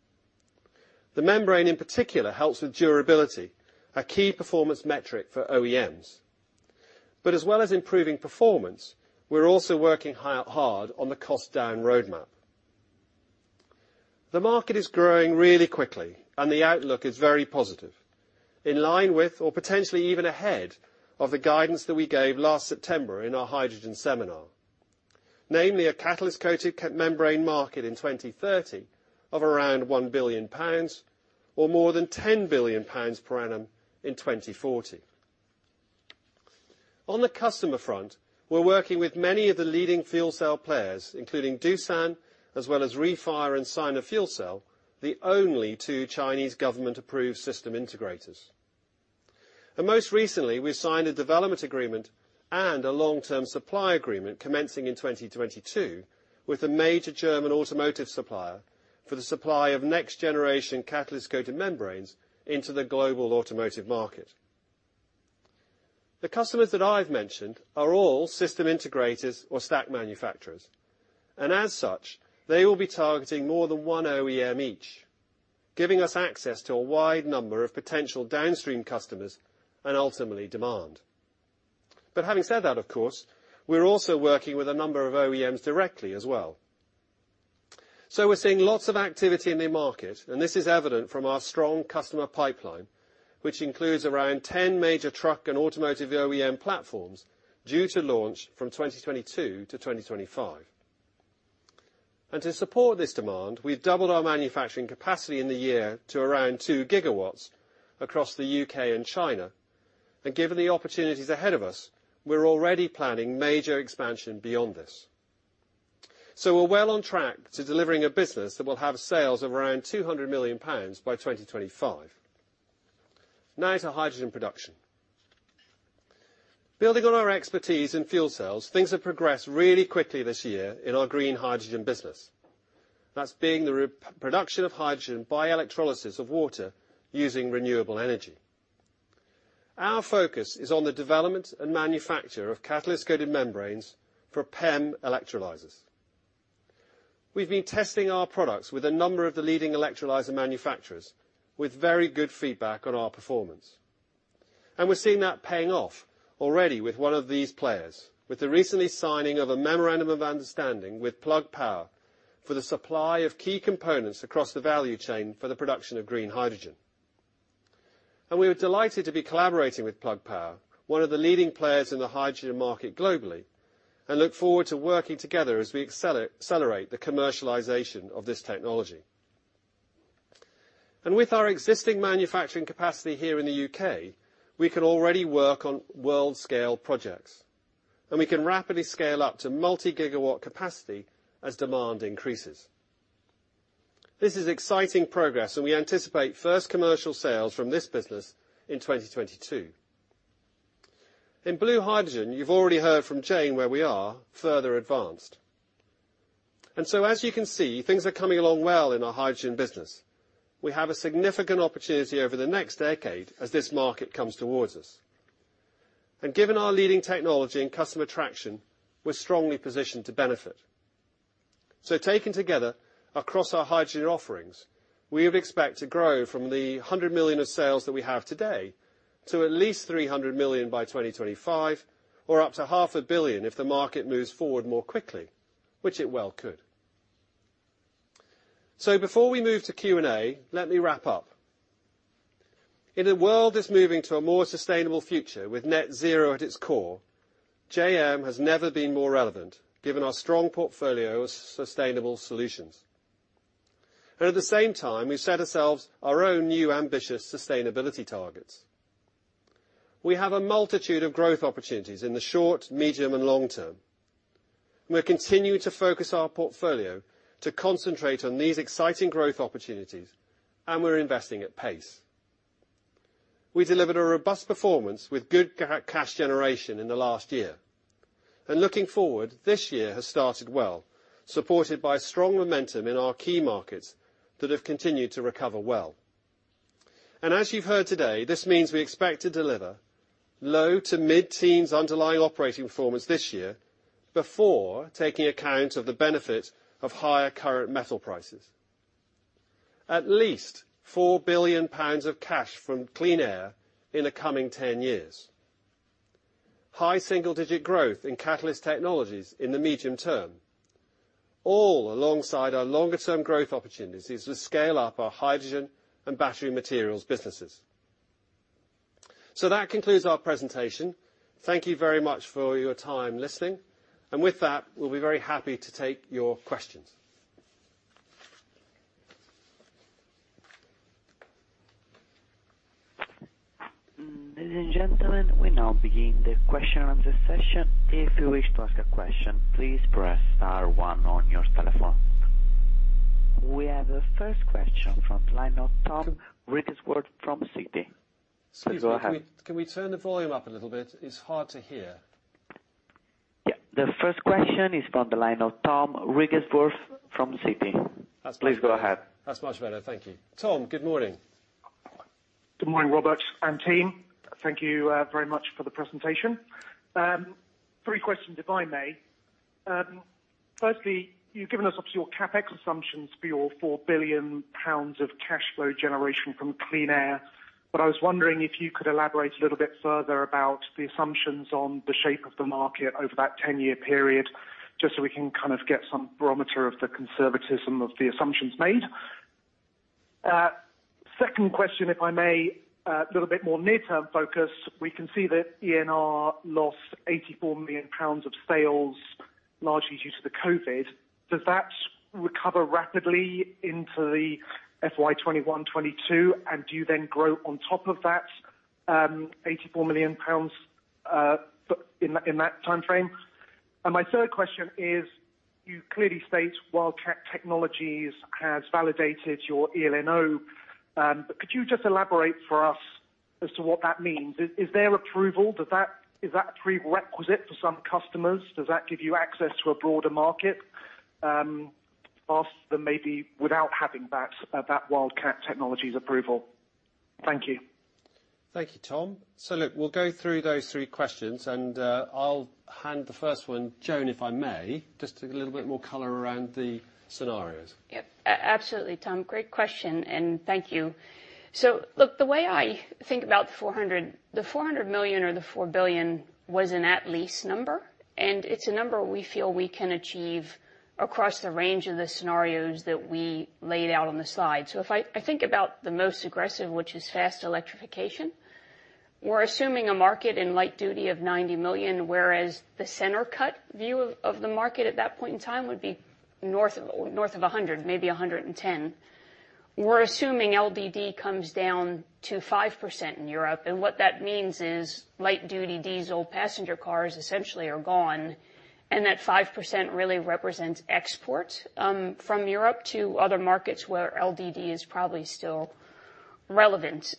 The membrane in particular helps with durability, a key performance metric for OEMs. As well as improving performance, we're also working hard on the cost down roadmap. The market is growing really quickly, and the outlook is very positive, in line with or potentially even ahead of the guidance that we gave last September in our hydrogen seminar. Namely, a catalyst-coated membrane market in 2030 of around 1 billion pounds or more than 10 billion pounds per annum in 2040. On the customer front, we're working with many of the leading fuel cell players, including Doosan, as well as REFIRE Group and SinoHytec, the only two Chinese government approved system integrators. Most recently, we signed a development agreement and a long-term supply agreement commencing in 2022 with a major German automotive supplier for the supply of next generation catalyst-coated membranes into the global automotive market. The customers that I've mentioned are all system integrators or stack manufacturers, and as such, they will be targeting more than one OEM each, giving us access to a wide number of potential downstream customers and ultimately demand. Having said that, of course, we're also working with a number of OEMs directly as well. We're seeing lots of activity in the market, and this is evident from our strong customer pipeline, which includes around 10 major truck and automotive OEM platforms due to launch from 2022 to 2025. To support this demand, we've doubled our manufacturing capacity in the year to around 2 GW across the U.K. and China. Given the opportunities ahead of us, we're already planning major expansion beyond this. We're well on track to delivering a business that will have sales of around 200 million pounds by 2025. To hydrogen production. Building on our expertise in fuel cells, things have progressed really quickly this year in our green hydrogen business. That's being the production of hydrogen by electrolysis of water using renewable energy. Our focus is on the development and manufacture of catalyst-coated membranes for PEM electrolyzers. We've been testing our products with a number of the leading electrolyzer manufacturers with very good feedback on our performance. We're seeing that paying off already with one of these players with the recently signing of a memorandum of understanding with Plug Power for the supply of key components across the value chain for the production of green hydrogen. We are delighted to be collaborating with Plug Power, one of the leading players in the hydrogen market globally, and look forward to working together as we accelerate the commercialization of this technology. With our existing manufacturing capacity here in the U.K., we can already work on world scale projects, and we can rapidly scale up to multi-gigawatt capacity as demand increases. This is exciting progress, and we anticipate first commercial sales from this business in 2022. In blue hydrogen, you've already heard from Jane Toogood where we are further advanced. As you can see, things are coming along well in our hydrogen business. We have a significant opportunity over the next decade as this market comes towards us. Given our leading technology and customer traction, we're strongly positioned to benefit. Taken together across our hydrogen offerings, we would expect to grow from the 100 million of sales that we have today to at least 300 million by 2025 or up to half a billion if the market moves forward more quickly, which it well could. Before we move to Q&A, let me wrap up. In a world that's moving to a more sustainable future with net zero at its core, JM has never been more relevant given our strong portfolio of sustainable solutions. At the same time, we've set ourselves our own new ambitious sustainability targets. We have a multitude of growth opportunities in the short, medium and long term. We're continuing to focus our portfolio to concentrate on these exciting growth opportunities, and we're investing at pace. We delivered a robust performance with good cash generation in the last year. Looking forward, this year has started well, supported by strong momentum in our key markets that have continued to recover well. As you've heard today, this means we expect to deliver low to mid-teens underlying operating performance this year before taking account of the benefit of higher current metal prices. At least 4 billion pounds of cash from Clean Air in the coming 10 years. High single digit growth in Catalyst Technologies in the medium term, all alongside our longer term growth opportunities to scale up our hydrogen and battery materials businesses. That concludes our presentation. Thank you very much for your time listening. With that, we'll be very happy to take your questions.
Ladies and gentlemen, we now begin the question and answer session. If you wish to ask a question, please press star one on your telephone. We have the first question from the line of Tom Wrigglesworth from Citi. Please go ahead.
Excuse me. Can we turn the volume up a little bit? It's hard to hear.
Yeah. The first question is from the line of Tom Wrigglesworth from Citi. Please go ahead.
That's much better. Thank you. Tom, good morning.
Good morning, Robert and team. Thank you very much for the presentation. Three questions, if I may. Firstly, you've given us obviously your CapEx assumptions for your 4 billion pounds of cash flow generation from Clean Air. I was wondering if you could elaborate a little bit further about the assumptions on the shape of the market over that 10-year period, just so we can kind of get some barometer of the conservatism of the assumptions made. Second question, if I may, a little bit more near-term focus. We can see that ENR lost 84 million pounds of sales, largely due to the COVID. Does that recover rapidly into the FY 2021, 2022? Do you then grow on top of that 84 million pounds in that timeframe? My third question is, you clearly state Wildcat Discovery Technologies has validated your eLNO. Could you just elaborate for us as to what that means? Is there approval? Is that approval requisite for some customers? Does that give you access to a broader market, perhaps than maybe without having that Wildcat Technologies approval? Thank you.
Thank you, Tom. Look, we'll go through those three questions and I'll hand the first one, Joan, if I may, just a little bit more color around the scenarios.
Absolutely, Tom. Great question, and thank you. Look, the way I think about the 400 million or the 4 billion was an at-least number, and it's a number we feel we can achieve across the range of the scenarios that we laid out on the slide. If I think about the most aggressive, which is fast electrification, we're assuming a market in light duty of 90 million, whereas the center cut view of the market at that point in time would be north of 100, maybe 110. We're assuming LDD comes down to 5% in Europe, and what that means is light-duty diesel passenger cars essentially are gone, and that 5% really represents exports from Europe to other markets where LDD is probably still relevant.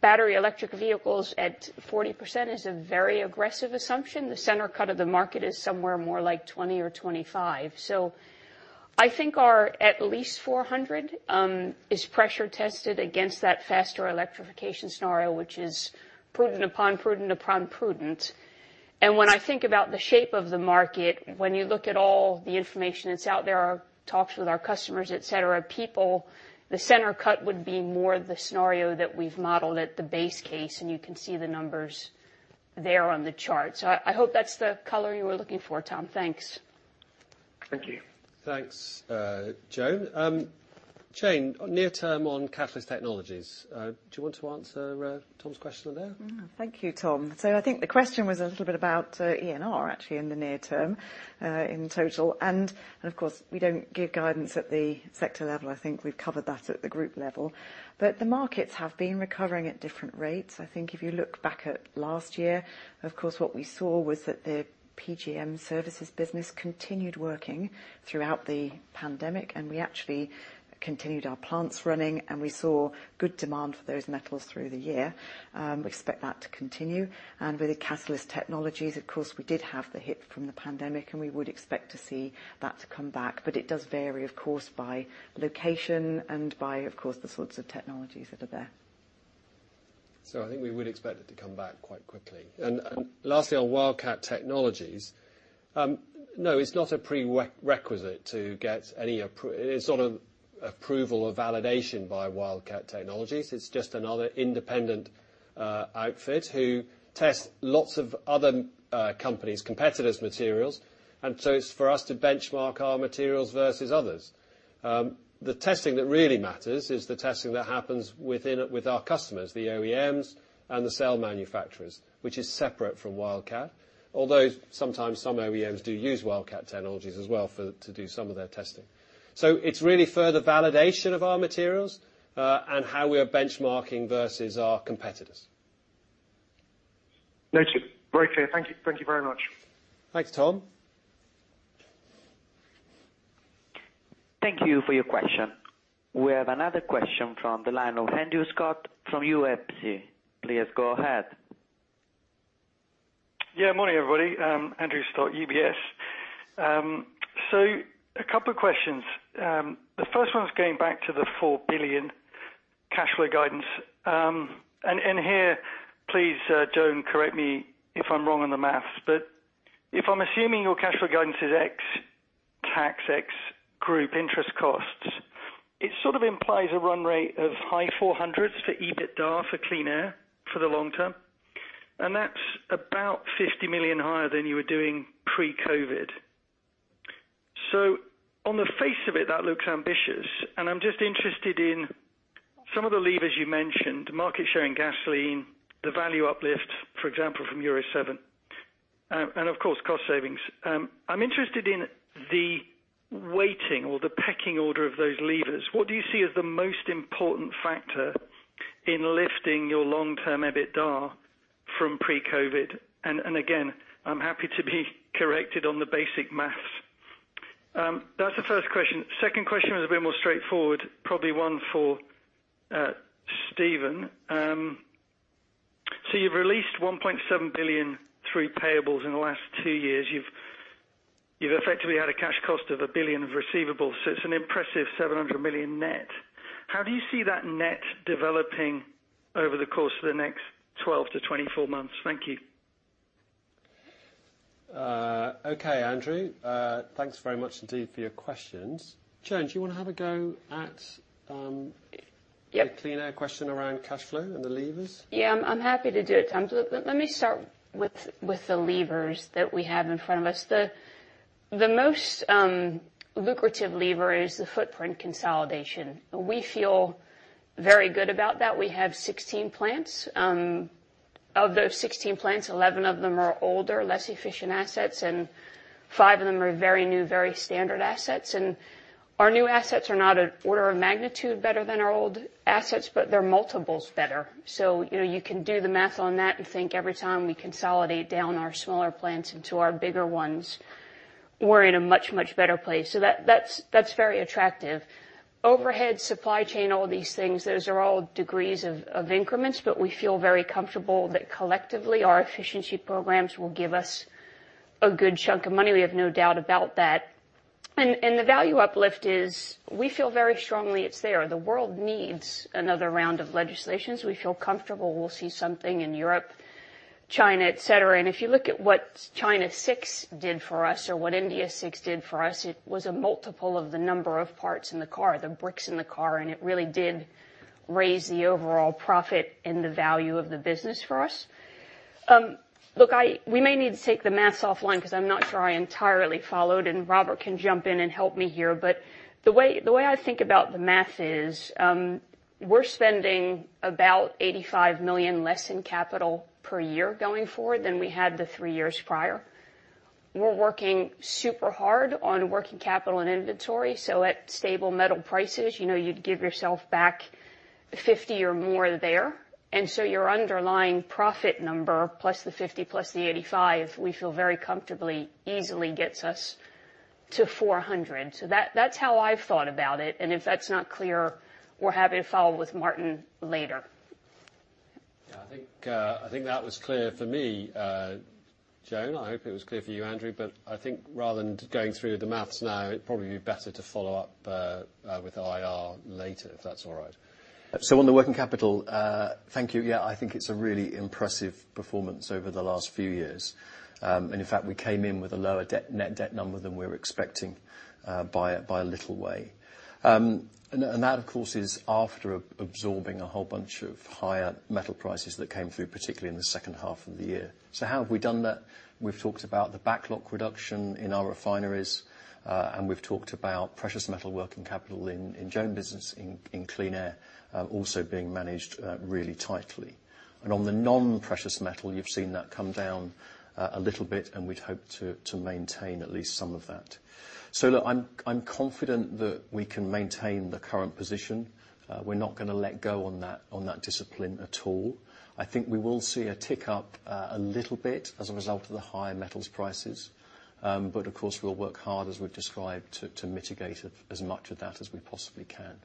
Battery electric vehicles at 40% is a very aggressive assumption. The center cut of the market is somewhere more like 20 or 25. I think our at least 400 is pressure tested against that faster electrification scenario, which is prudent upon prudent upon prudent. When I think about the shape of the market, when you look at all the information that's out there, our talks with our customers, et cetera, people, the center cut would be more the scenario that we've modeled at the base case, and you can see the numbers there on the chart. I hope that's the color you were looking for, Tom. Thanks.
Thank you.
Thanks, Joan. Jane, near term on Catalyst Technologies. Do you want to answer Tom's question there?
Thank you, Tom. I think the question was a little bit about ENR actually in the near term in total. Of course, we don't give guidance at the sector level. I think we cover that at the group level. The markets have been recovering at different rates. I think if you look back at last year, of course, what we saw was that the PGM Services business continued working throughout the pandemic, and we actually continued our plants running, and we saw good demand for those metals through the year. We expect that to continue. With Catalyst Technologies, of course, we did have the hit from the pandemic, and we would expect to see that to come back. It does vary, of course, by location and by, of course, the sorts of technologies that are there.
I think we would expect it to come back quite quickly. Lastly, on Wildcat Technologies. No, it's not a prerequisite to get any sort of approval or validation by Wildcat Technologies. It's just another independent outfit who tests lots of other companies, competitors' materials. It's for us to benchmark our materials versus others. The testing that really matters is the testing that happens with our customers, the OEMs and the cell manufacturers, which is separate from Wildcat. Although sometimes some OEMs do use Wildcat Technologies as well to do some of their testing. It's really further validation of our materials, and how we are benchmarking versus our competitors.
Noted. Great. Thank you very much.
Thanks, Tom.
Thank you for your question. We have another question from the line of Andrew Scott from UBS. Please go ahead.
Yeah. Morning, everybody. Andrew Scott, UBS. A two questions. The first one's going back to the 4 billion cash flow guidance. Here, please, Joan Braca, correct me if I'm wrong on the math. If I'm assuming your cash flow guidance is ex tax, ex group interest costs, it sort of implies a run rate of high 400 million to EBITDA for Clean Air for the long term. That's about 50 million higher than you were doing pre-COVID. On the face of it, that looks ambitious, and I'm just interested in some of the levers you mentioned, market share in gasoline, the value uplift, for example, from Euro 7, and of course, cost savings. I'm interested in the weighting or the pecking order of those levers. What do you see as the most important factor in lifting your long-term EBITDA from pre-COVID? Again, I'm happy to be corrected on the basic maths. That's the first question. Second question is a bit more straightforward, probably one for Stephen. You've released 1.7 billion through payables in the last two years. You've effectively had a cash cost of 1 billion of receivables, so it's an impressive 700 million net. How do you see that net developing over the course of the next 12-24 months? Thank you.
Okay, Andrew. Thanks very much indeed for your questions. Joan, do you want to have a go at.
Yeah Clean Air question around cash flow and the levers? Yeah, I'm happy to do it. Let me start with the levers that we have in front of us. The most lucrative lever is the footprint consolidation. We feel very good about that. We have 16 plants. Of those 16 plants, 11 of them are older, less efficient assets, and five of them are very new, very standard assets. Our new assets are not an order of magnitude better than our old assets, but they're multiples better. You can do the math on that and think every time we consolidate down our smaller plants into our bigger ones, we're in a much, much better place. That's very attractive. Overhead, supply chain, all these things, those are all degrees of increments, but we feel very comfortable that collectively our efficiency programs will give us a good chunk of money. We have no doubt about that. The value uplift is, we feel very strongly it's there. The world needs another round of legislations. We feel comfortable we'll see something in Europe, China, et cetera. If you look at what China VI did for us or what BS VI did for us, it was a multiple of the number of parts in the car, the bricks in the car, and it really did raise the overall profit and the value of the business for us. Look, we may need to take the math offline because I'm not sure I entirely followed, and Robert can jump in and help me here. The way I think about the math is, we're spending about 85 million less in CapEx per year going forward than we had the three years prior. We're working super hard on working capital and inventory. At stable metal prices, you'd give yourself back 50 or more there. Your underlying profit number plus the 50 plus the 85, we feel very comfortably, easily gets us to 400. That's how I've thought about it. If that's not clear, we're happy to follow with Martin later.
I think that was clear for me, Joan. I hope it was clear for you, Andrew. I think rather than going through the math now, it'd probably be better to follow up with IR later, if that's all right. On the working capital, thank you. I think it's a really impressive performance over the last few years. In fact, we came in with a lower net debt number than we were expecting by a little way. That, of course, is after absorbing a whole bunch of higher metal prices that came through, particularly in the second half of the year. How have we done that? We've talked about the backlog reduction in our refineries, and we've talked about precious metal working capital in Joan business, in Clean Air, also being managed really tightly. On the non-precious metal, you've seen that come down a little bit, and we'd hope to maintain at least some of that. Look, I'm confident that we can maintain the current position. We're not going to let go on that discipline at all. I think we will see a tick up a little bit as a result of the higher metals prices. Of course, we'll work hard, as we've described, to mitigate as much of that as we possibly can.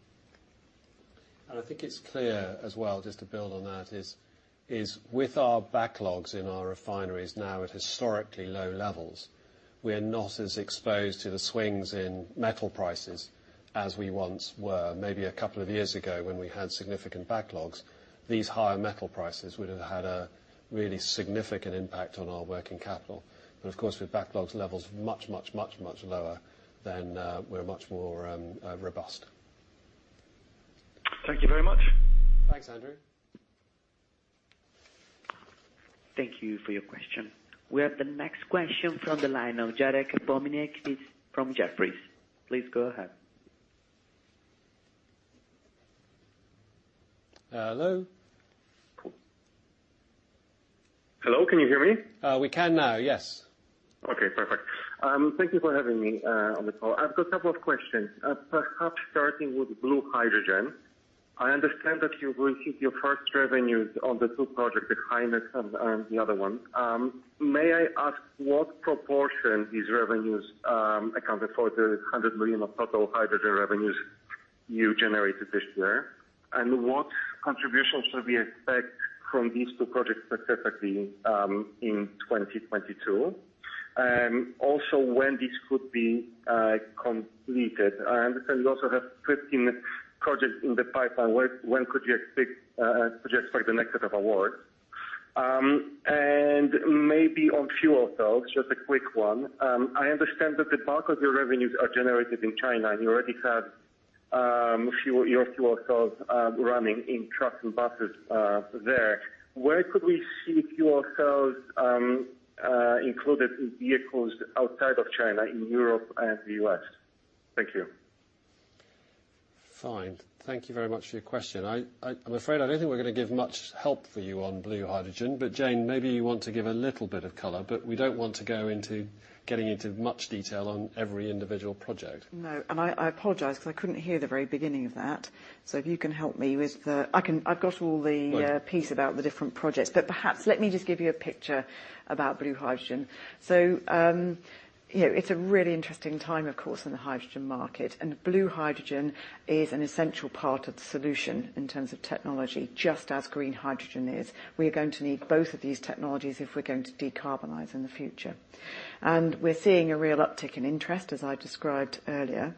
I think it's clear as well, just to build on that is, with our backlogs in our refineries now at historically low levels, we're not as exposed to the swings in metal prices as we once were. Maybe a couple of years ago when we had significant backlogs, these higher metal prices would have had a really significant impact on our working capital. Of course, with backlogs levels much lower than we're much more robust.
Thank you very much.
Thanks, Andrew.
Thank you for your question. We have the next question from the line of Charlie Bently. He is from Jefferies. Please go ahead.
Hello?
Hello, can you hear me?
We can now, yes.
Okay, perfect. Thank you for having me on the call. I've got a couple of questions, perhaps starting with blue hydrogen. I understand that you will hit your first revenues on the two projects, the HyNet and the other one. May I ask what proportion these revenues account for the 100 million of total hydrogen revenues you generated this year? What contributions should we expect from these two projects specifically in 2022? Also, when would this be completed? I understand you also have 15 projects in the pipeline. When could you expect the next set of awards? Maybe on fuel cells, just a quick one. I understand that the bulk of your revenues are generated in China, and you already have Synosynergy, we heard fuel cells running in trucks and buses there. Where could we see fuel cells included in vehicles outside of China, in Europe and the U.S.? Thank you.
Fine. Thank you very much for your question. I'm afraid I don't think we're going to give much help for you on blue hydrogen. Jane, maybe you want to give a little bit of color, but we don't want to go into getting into much detail on every individual project.
No, I apologize because I couldn't hear the very beginning of that. If you can help me with the I've got all the piece about the different projects, but perhaps let me just give you a picture about blue hydrogen. It's a really interesting time, of course, in the hydrogen market, and blue hydrogen is an essential part of the solution in terms of technology, just as green hydrogen is. We're going to need both of these technologies if we're going to decarbonize in the future. We're seeing a real uptick in interest, as I described earlier.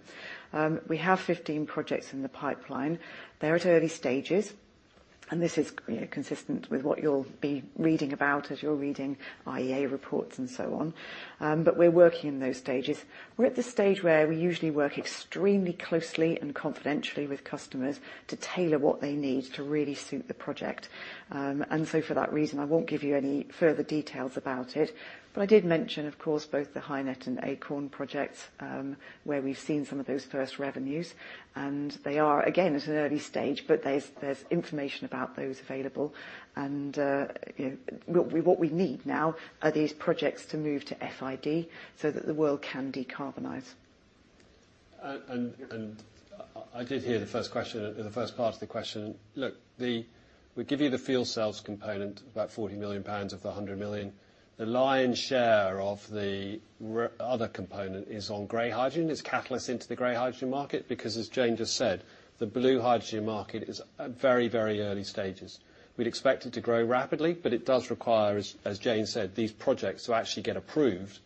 We have 15 projects in the pipeline. They're at early stages, and this is consistent with what you'll be reading about as you're reading IEA reports and so on. We're working in those stages. We're at the stage where we usually work extremely closely and confidentially with customers to tailor what they need to really suit the project. For that reason, I won't give you any further details about it. I did mention, of course, both the HyNet and Acorn projects, where we've seen some of those first revenues, and they are, again, at an early stage, there's information about those available, what we need now are these projects to move to FID so that the world can decarbonize.
I did hear the first part of the question. Look, we give you the fuel cells component, about 40 million pounds of the 100 million. The lion's share of the other component is on gray hydrogen. It's catalyst into the gray hydrogen market because, as Jane just said, the blue hydrogen market is at very, very early stages. We expect it to grow rapidly, it does require, as Jane said, these projects to actually get approved.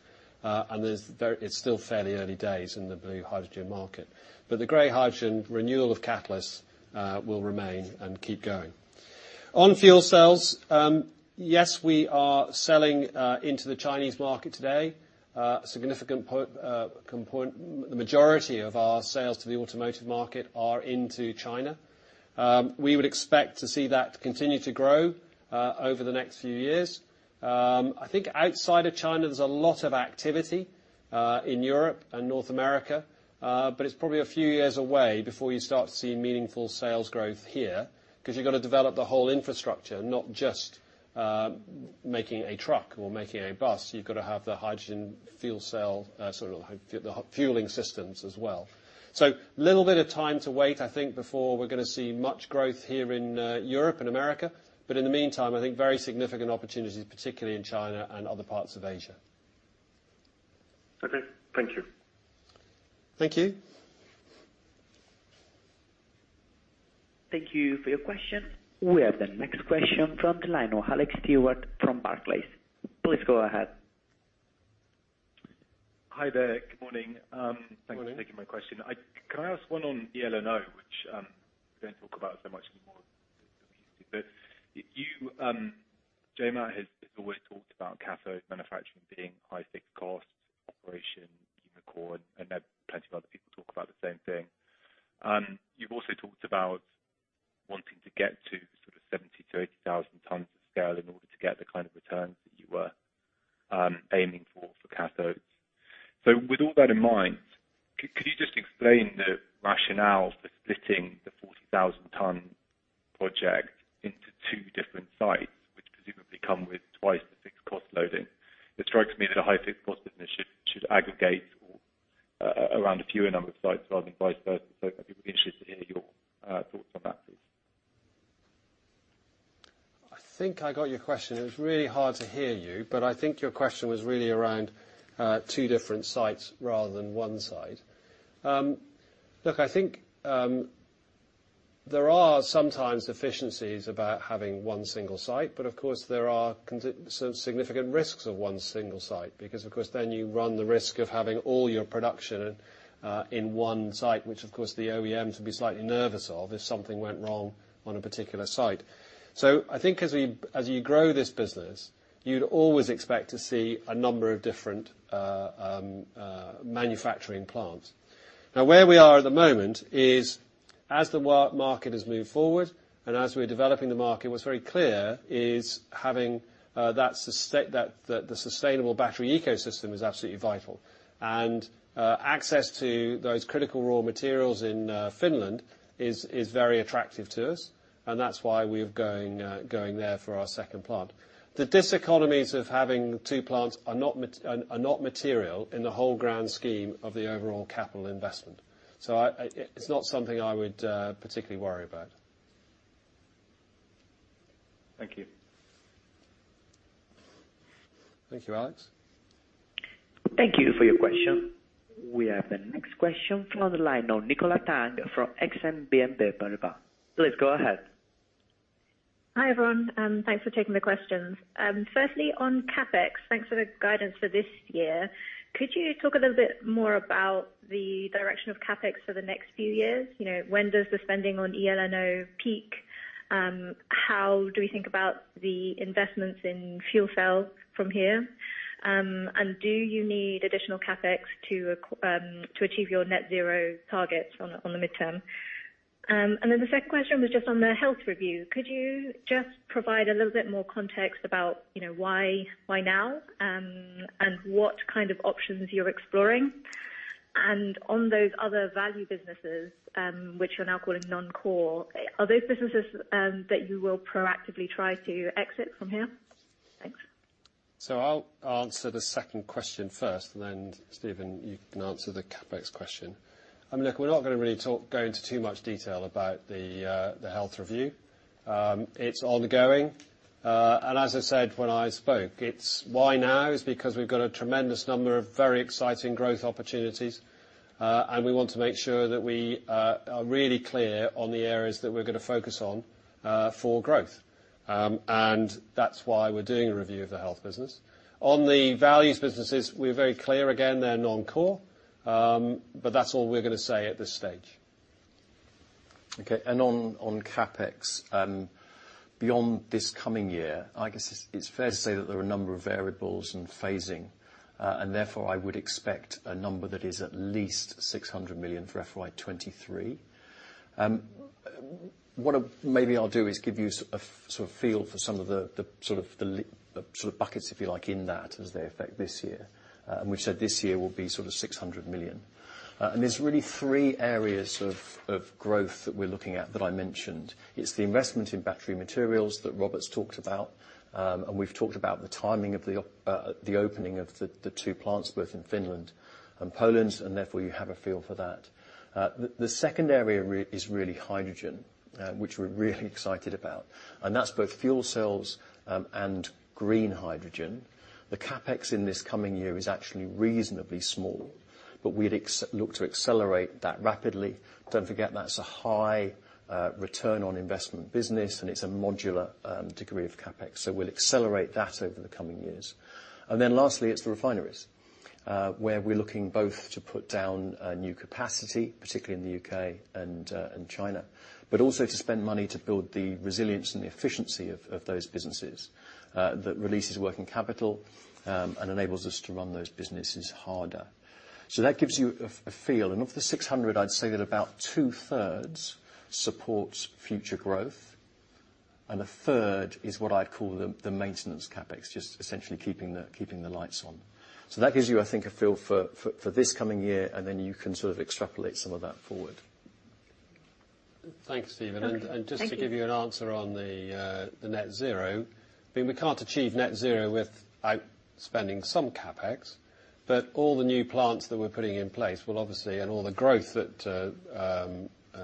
It's still fairly early days in the blue hydrogen market. The gray hydrogen renewal of catalyst will remain and keep going. On fuel cells, yes, we are selling into the Chinese market today. Significant majority of our sales to the automotive market are into China. We would expect to see that continue to grow over the next few years. I think outside of China, there's a lot of activity in Europe and North America. It's probably a few years away before you start to see meaningful sales growth here, because you've got to develop the whole infrastructure, not just making a truck or making a bus. You've got to have the hydrogen fuel cell, sort of fueling systems as well. A little bit of time to wait, I think, before we're going to see much growth here in Europe and America. In the meantime, I think very significant opportunities, particularly in China and other parts of Asia.
Okay. Thank you.
Thank you.
Thank you for your question. We have the next question from the line of Alex Stewart from Barclays. Please go ahead.
Hi there. Good morning.
Good morning. Thanks for taking my question. Can I ask one on eLNO, which we don't talk about so much anymore. You, JMat, has always talked about cathode manufacturing being high fixed cost operation, Umicore, and plenty of other people talk about the same thing. You've also talked about wanting to get to sort of 70,000 to 80,000 tons of scale in order to get the kind of returns that you were aiming for for cathodes. With all that in mind, could you just explain the rationale for splitting the 40,000 ton project into two different sites, which presumably come with twice the fixed cost loading? This strikes me as a high fixed cost initiative should aggregate around a fewer number of sites, rather than vice versa. I'd be interested to hear your thoughts on that, please. I think I got your question. It was really hard to hear you, but I think your question was really around two different sites rather than one site. I think there are sometimes efficiencies about having one single site, but of course, there are some significant risks of one single site, because, of course, then you run the risk of having all your production in one site, which, of course, the OEMs would be slightly nervous of if something went wrong on a particular site. I think as you grow this business, you'd always expect to see a number of different manufacturing plants. Where we are at the moment is as the market has moved forward, and as we're developing the market, what's very clear is having the sustainable battery ecosystem is absolutely vital. Access to those critical raw materials in Finland is very attractive to us, and that's why we're going there for our second plant. The diseconomies of having two plants are not material in the whole grand scheme of the overall capital investment. It's not something I would particularly worry about.
Thank you.
Thanks, Alex.
Thank you for your question. We have the next question from the line now. Nicola Tang from Exane BNP Paribas. Please go ahead.
Hi, everyone. Thanks for taking the questions. Firstly, on CapEx, thanks for the guidance for this year. Could you talk a little bit more about the direction of CapEx for the next few years? When does the spending on eLNO peak? How do we think about the investments in fuel cells from here? Do you need additional CapEx to achieve your net zero targets on the midterm? The second question was just on the health review. Could you just provide a little bit more context about why now, and what kind of options you're exploring? On those other value businesses, which you're now calling non-core, are those businesses that you will proactively try to exit from here? Thanks.
I'll answer the second question first, and then Stephen, you can answer the CapEx question. Look, we're not going to really go into too much detail about the health review. It's ongoing. As I said when I spoke, why now is because we've got a tremendous number of very exciting growth opportunities. We want to make sure that we are really clear on the areas that we're going to focus on for growth. That's why we're doing a review of the health business. On the Values Businesses, we're very clear, again, they're non-core. That's all we're going to say at this stage.
Okay, on CapEx. Beyond this coming year, I guess it's fair to say that there are a number of variables and phasing. Therefore, I would expect a number that is at least 600 million for FY 2023. What maybe I'll do is give you a feel for some of the buckets, if you like, in that as they affect this year. We've said this year will be 600 million. There's really three areas of growth that we're looking at that I mentioned. It's the investment in battery materials that Robert MacLeod's talked about. We've talked about the timing of the opening of the two plants, both in Finland and Poland, and therefore you have a feel for that. The second area is really hydrogen, which we're really excited about. That's both fuel cells and green hydrogen. The CapEx in this coming year is actually reasonably small. We'd look to accelerate that rapidly. Don't forget that's a high return on investment business. It's a modular degree of CapEx. We'll accelerate that over the coming years. Lastly, it's the refineries where we're looking both to put down new capacity, particularly in the U.K. and China, also to spend money to build the resilience and the efficiency of those businesses that releases working capital and enables us to run those businesses harder. That gives you a feel and of the 600 I'd say that about two-thirds supports future growth and a third is what I'd call the maintenance CapEx just essentially keeping the lights on. That gives you a feel for this coming year. You can extrapolate some of that forward.
Thanks Stephen.
Thank you.
Just to give you an answer on the net zero, we can't achieve net zero without spending some CapEx, but all the new plants that we're putting in place will obviously, and all the growth that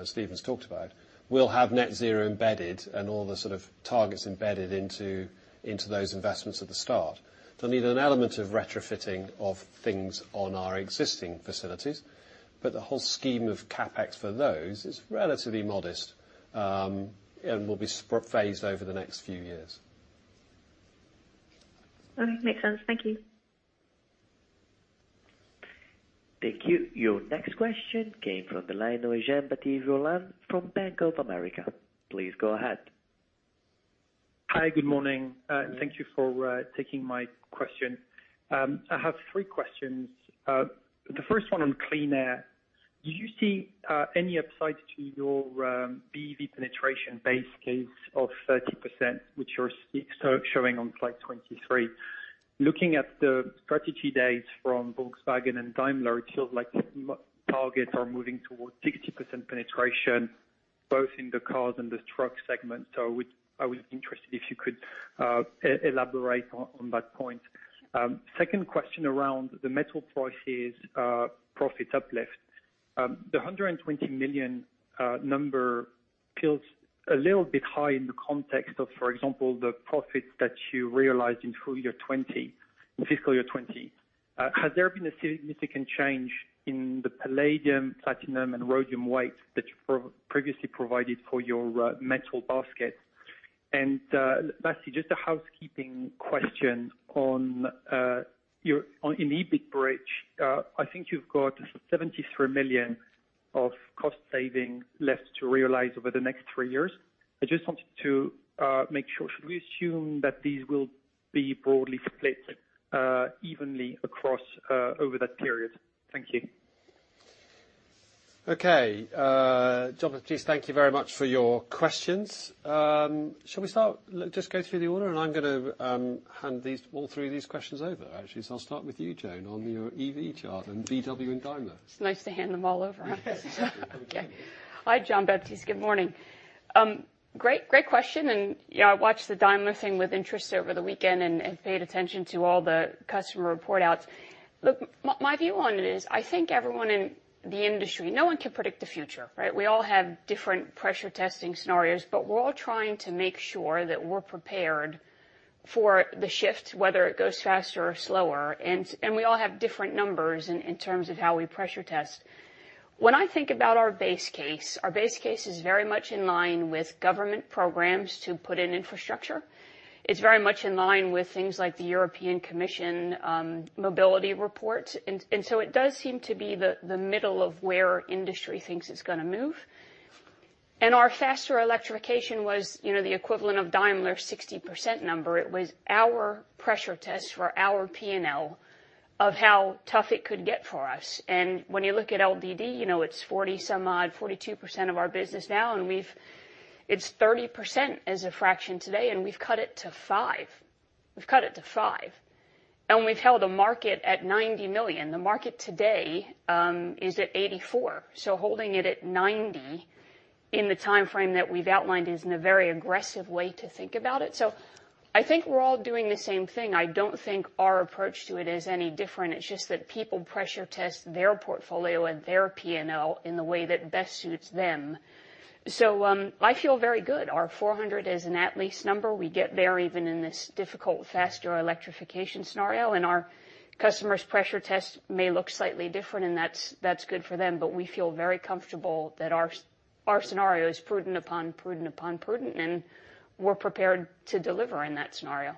Stephen's talked about, will have net zero embedded and all the targets embedded into those investments at the start. They'll need an element of retrofitting of things on our existing facilities, but the whole scheme of CapEx for those is relatively modest, and will be phased over the next few years.
Makes sense. Thank you.
Thank you. Your next question came from the line of Jean-Baptiste Rolland from Bank of America. Please go ahead.
Hi, good morning. Thank you for taking my question. I have three questions. The first one on Clean Air. Do you see any upside to your BEV penetration base case of 30%, which you're showing on Slide 23? Looking at the strategy dates from Volkswagen and Daimler, it feels like targets are moving towards 60% penetration both in the cars and the truck segment. I was interested if you could elaborate on that point. Second question around the metal prices profit uplift. The 120 million number feels a little bit high in the context of, for example, the profits that you realized in FY 2020, in FY 2020. Has there been a significant change in the palladium, platinum, and rhodium weight that you previously provided for your metal basket? Lastly, just a housekeeping question on your in the EBITDA bridge. I think you've got 73 million of cost saving left to realize over the next three years. I just wanted to make sure, should we assume that these will be broadly split evenly across over that period? Thank you.
Okay. Jean-Baptiste Rolland, thank you very much for your questions. Shall we start? Just go through the order and I'm going to hand all three of these questions over, actually. I'll start with you, Joan Braca, on your EV chart and VW and Daimler.
It's nice to hand them all over, huh?
Yes, exactly. From me.
Okay. Hi, Jean-Baptiste Rolland, good morning. Great question. I watched the Daimler thing with interest over the weekend and paid attention to all the customer report outs. Look, my view on it is I think everyone in the industry, no one can predict the future, right? We all have different pressure testing scenarios, but we're all trying to make sure that we're prepared for the shift, whether it goes faster or slower. We all have different numbers in terms of how we pressure test. When I think about our base case, our base case is very much in line with government programs to put in infrastructure. It's very much in line with things like the European Commission mobility report. It does seem to be the middle of where industry thinks it's going to move. Our faster electrification was the equivalent of Daimler's 60% number. It was our pressure test for our P&L of how tough it could get for us. When you look at LDD, it's 40 some odd, 42% of our business now, it's 30% as a fraction today, we've cut it to five. We've held the market at 90 million. The market today is at 84. Holding it at 90 in the timeframe that we've outlined is a very aggressive way to think about it. I think we're all doing the same thing. I don't think our approach to it is any different. It's just that people pressure test their portfolio and their P&L in the way that best suits them. I feel very good. Our 400 is an at-least number. We get there even in this difficult, faster electrification scenario. Our customers' pressure test may look slightly different, and that's good for them. We feel very comfortable that our scenario is prudent upon prudent upon prudent, and we're prepared to deliver in that scenario.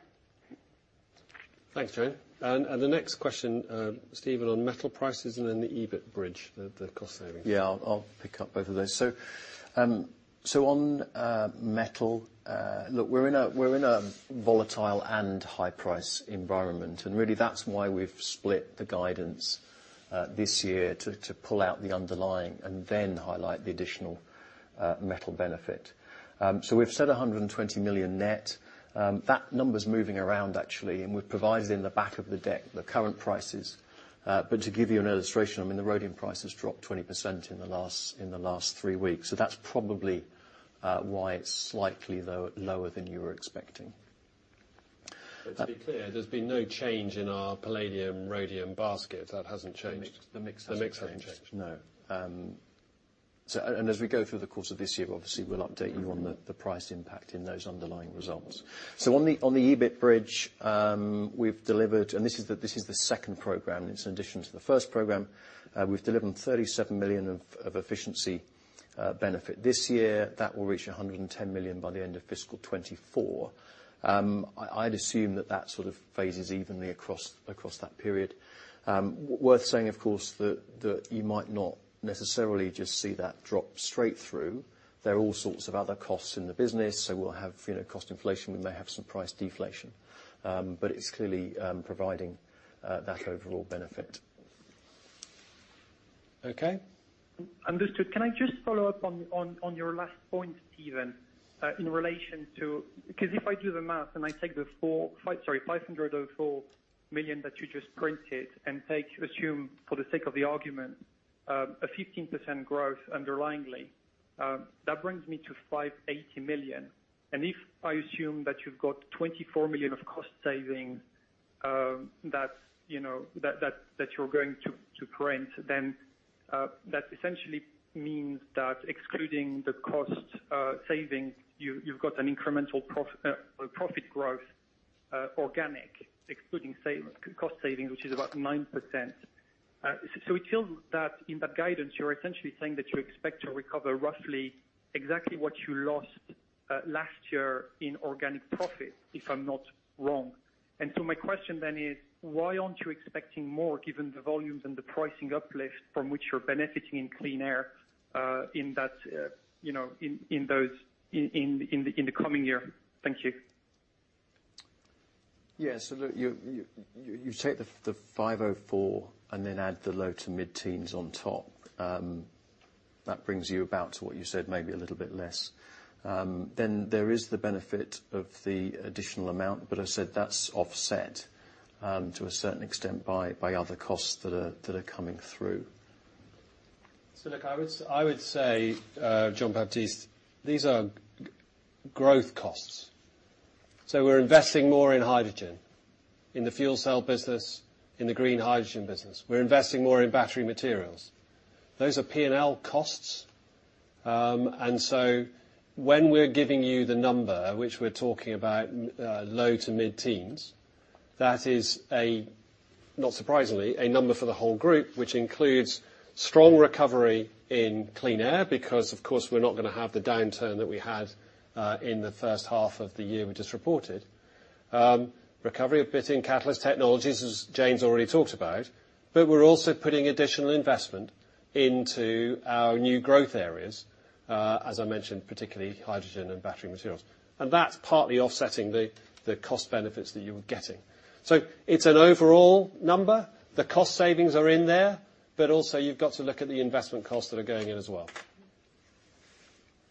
Thanks, Jane. The next question, Stephen, on metal prices and then the EBIT bridge, the cost savings. Yeah, I'll pick up both of those. On metal, look, we're in a volatile and high-price environment. Really, that's why we've split the guidance this year to pull out the underlying and then highlight the additional metal benefit. We've said 120 million net. That number's moving around, actually, and we've provided in the back of the deck the current prices. To give you an illustration, the rhodium price has dropped 20% in the last three weeks. That's probably why it's slightly lower than you were expecting. To be clear, there's been no change in our palladium, rhodium basket. That hasn't changed. The mix hasn't changed. The mix hasn't changed, no. As we go through the course of this year, obviously, we'll update you on the price impact in those underlying results. On the EBIT bridge we've delivered, and this is the second program, it's in addition to the first program, we've delivered 37 million of efficiency benefit this year. That will reach 110 million by the end of fiscal 2024. I'd assume that sort of phases evenly across that period. Worth saying, of course, that you might not necessarily just see that drop straight through. There are all sorts of other costs in the business, so we'll have cost inflation, we may have some price deflation. It's clearly providing that overall benefit. Okay.
Understood. Can I just follow up on your last point, Stephen, in relation to, because if I do the math and I take the 504 million that you just printed and assume for the sake of the argument, a 15% growth underlyingly, that brings me to 580 million. If I assume that you've got 24 million of cost savings that you're going to print, then that essentially means that excluding the cost savings, you've got an incremental profit growth, organic, excluding cost saving, which is about 9%. It shows that in the guidance, you're essentially saying that you expect to recover roughly exactly what you lost last year in organic profit, if I'm not wrong. My question then is, why aren't you expecting more given the volumes and the pricing uplift from which you're benefiting in Clean Air in the coming year? Thank you.
Look, you take the 504 and then add the low to mid-teens on top. That brings you about to what you said, maybe a little bit less. There is the benefit of the additional amount, but as I said, that's offset to a certain extent by other costs that are coming through.
Look, I would say, Jean-Baptiste, these are growth costs. We're investing more in hydrogen, in the fuel cell business, in the green hydrogen business. We're investing more in battery materials. Those are P&L costs. When we're giving you the number, which we're talking about low to mid-teens, that is, not surprisingly, a number for the whole group, which includes strong recovery in Clean Air, because, of course, we're not going to have the downturn that we had in the first half of the year we just reported. Recovery a bit in Catalyst Technologies, as Jane's already talked about. We're also putting additional investment into our new growth areas, as I mentioned, particularly hydrogen and battery materials. That's partly offsetting the cost benefits that you're getting. It's an overall number. The cost savings are in there. Also you've got to look at the investment costs that are going in as well.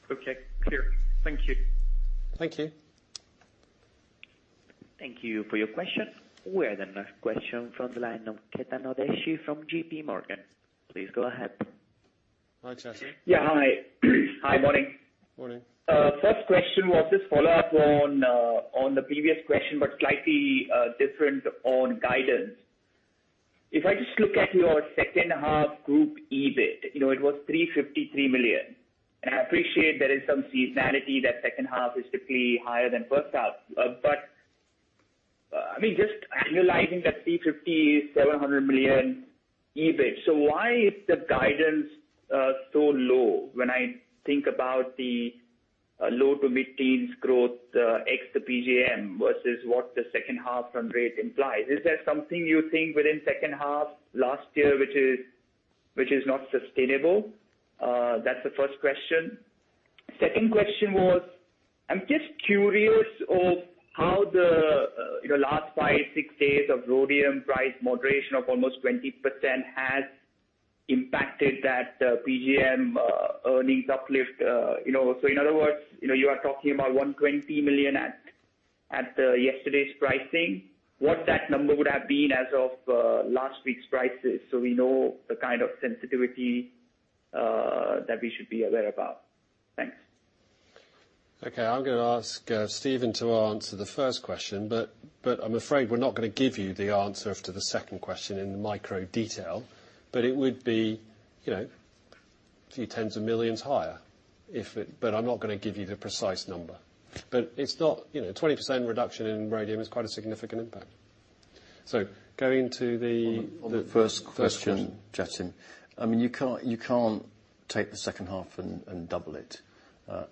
Okay. Clear. Thank you.
Thank you.
Thank you for your question. We have another question from the line of Chetan Udeshi from JP Morgan. Please go ahead.
Hi, Chetan.
Yeah. Hi. Hi, morning.
Morning.
First question was just follow up on the previous question, slightly different on guidance. If I just look at your second half group EBIT, it was 353 million. I appreciate there is some seasonality that second half is typically higher than first half. Just analyzing that 350, 700 million EBIT. Why is the guidance so low when I think about the? A low- to mid-teens growth ex the PGM versus what the second half run rate implies. Is that something you think within the second half last year, which is not sustainable? That's the first question. Second question was, I'm just curious of how the last five, six days of rhodium price moderation of almost 20% has impacted that PGM earnings uplift. In other words, you are talking about 120 million at yesterday's pricing. What that number would have been as of last week's prices so we know the kind of sensitivity that we should be aware about. Thanks.
Okay. I'm going to ask Stephen to answer the first question, but I'm afraid we're not going to give you the answer to the second question in micro detail. It would be tens of millions GBP higher. I'm not going to give you the precise number. But 20% reduction in rhodium is quite a significant impact. Going to the first question, Chetan. You can't take the second half and double it,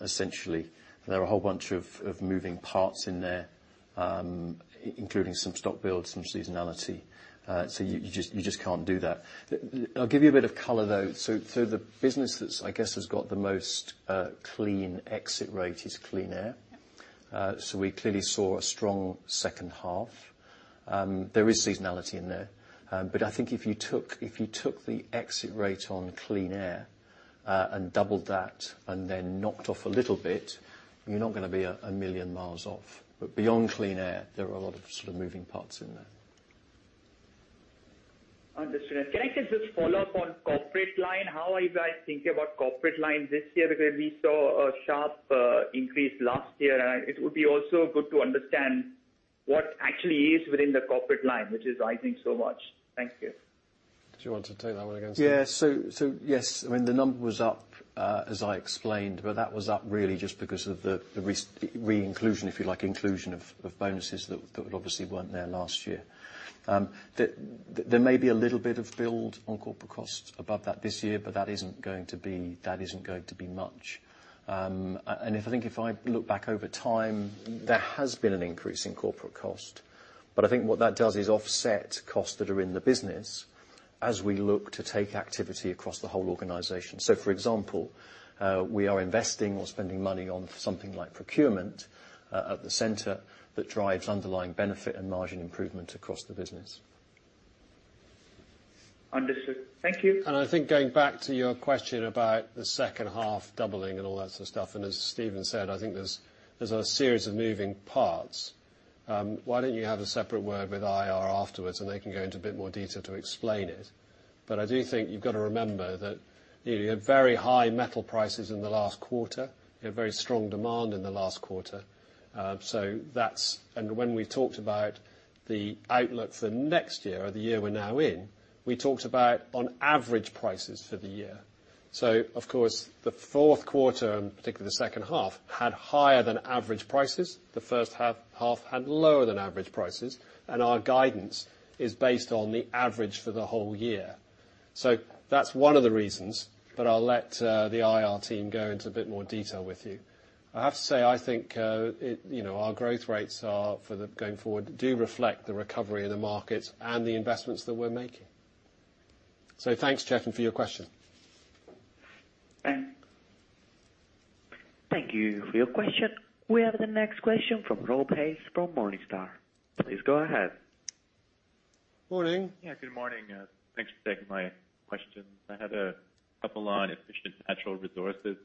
essentially. There are a whole bunch of moving parts in there, including some stock build, some seasonality. You just can't do that. I'll give you a bit of color, though. The business that I guess has got the most clean exit rate is Clean Air. We clearly saw a strong second half. There is seasonality in there. I think if you took the exit rate on Clean Air and doubled that and then knocked off a little bit, you're not going to be a million miles off. Beyond Clean Air, there are a lot of moving parts in there.
Understood. Can I just follow up on corporate line? How are you guys thinking about corporate line this year? We saw a sharp increase last year. It would be also good to understand what actually is within the corporate line, which is rising so much. Thank you.
Do you want to take that one again, Stephen?
Yes, the number was up, as I explained, but that was up really just because of the re-inclusion, if you like, inclusion of bonuses that obviously weren't there last year. There may be a little bit of build on corporate costs above that this year, that isn't going to be much. I think if I look back over time, there has been an increase in corporate cost. I think what that does is offset costs that are in the business as we look to take activity across the whole organization. For example, we are investing or spending money on something like procurement at the center that drives underlying benefit and margin improvement across the business.
Understood. Thank you.
I think going back to your question about the second half doubling and all that sort of stuff, and as Stephen said, I think there's a series of moving parts. Why don't you have a separate word with IR afterwards and they can go into a bit more detail to explain it. I do think you've got to remember that you had very high metal prices in the last quarter. You had very strong demand in the last quarter. When we talked about the outlook for next year or the year we're now in, we talked about on average prices for the year. Of course, the fourth quarter, in particular the second half, had higher than average prices. The first half had lower than average prices, and our guidance is based on the average for the whole year. That's one of the reasons, but I'll let the IR team go into a bit more detail with you. I have to say, I think our growth rates going forward do reflect the recovery in the markets and the investments that we're making. Thanks, Chetan, for your question.
Thanks.
Thank you for your question. We have the next question from Rob Pace from Morningstar. Please go ahead.
Morning. Yeah, good morning. Thanks for taking my question. I had a couple on Efficient Natural Resources.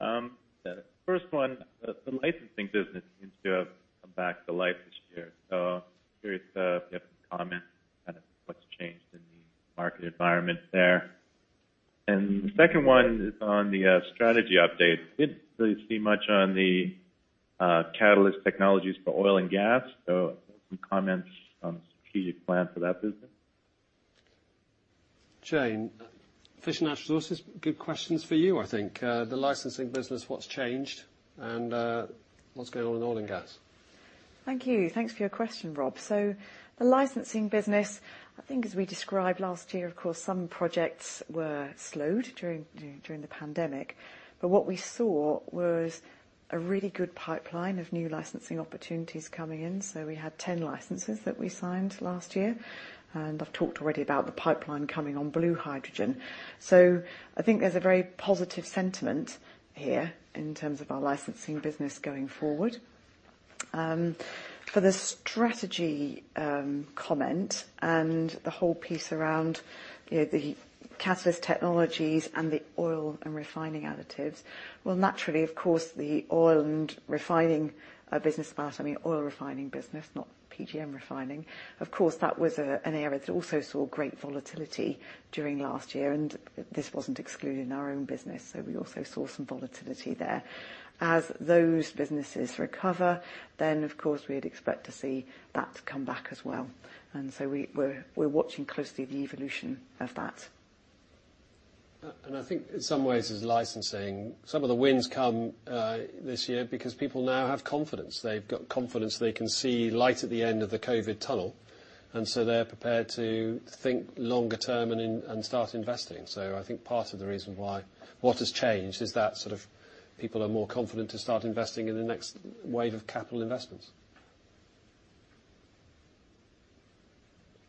The first one, the licensing business seems to have come back to life this year. Curious if you have any comment, what's changed in the market environment there? The second one is on the Catalyst Technologies for oil and gas, some comments on strategic plan for that business. Jane, Efficient Natural Resources, good questions for you, I think. The licensing business, what's changed, and what's going on with oil and gas?
Thank you. Thanks for your question, Rob. The licensing business, as we described last year, of course, some projects were slowed during the pandemic. What we saw was a really good pipeline of new licensing opportunities coming in. We had 10 licenses that we signed last year, and I've talked already about the pipeline coming on blue hydrogen. There's a very positive sentiment here in terms of our licensing business going forward. For the strategy comment and the whole piece around the Catalyst Technologies and the oil and refining additives, well, naturally, of course, the oil and refining business, I mean oil refining business, not PGM refining. Of course, that was an area that also saw great volatility during last year, and this wasn't excluding our own business. We also saw some volatility there. As those businesses recover, then of course, we'd expect to see that come back as well. We're watching closely the evolution of that.
I think in some ways with licensing, some of the wins come this year because people now have confidence. They've got confidence. They can see light at the end of the COVID tunnel, they're prepared to think longer term and start investing. I think part of the reason why what has changed is that people are more confident to start investing in the next wave of capital investments.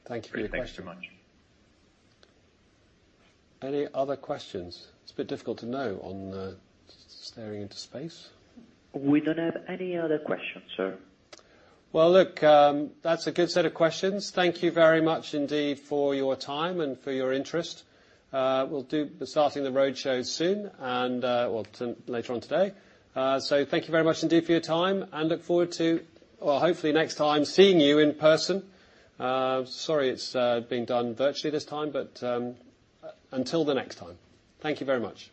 Thank you very much. Thanks very much. Any other questions? It's a bit difficult to know on staring into space.
We don't have any other questions, sir.
Well, look, that's a good set of questions. Thank you very much indeed for your time and for your interest. We're starting the roadshow soon and, well, later on today. Thank you very much indeed for your time, and look forward to, well, hopefully next time, seeing you in person. Sorry it's being done virtually this time, but until the next time. Thank you very much.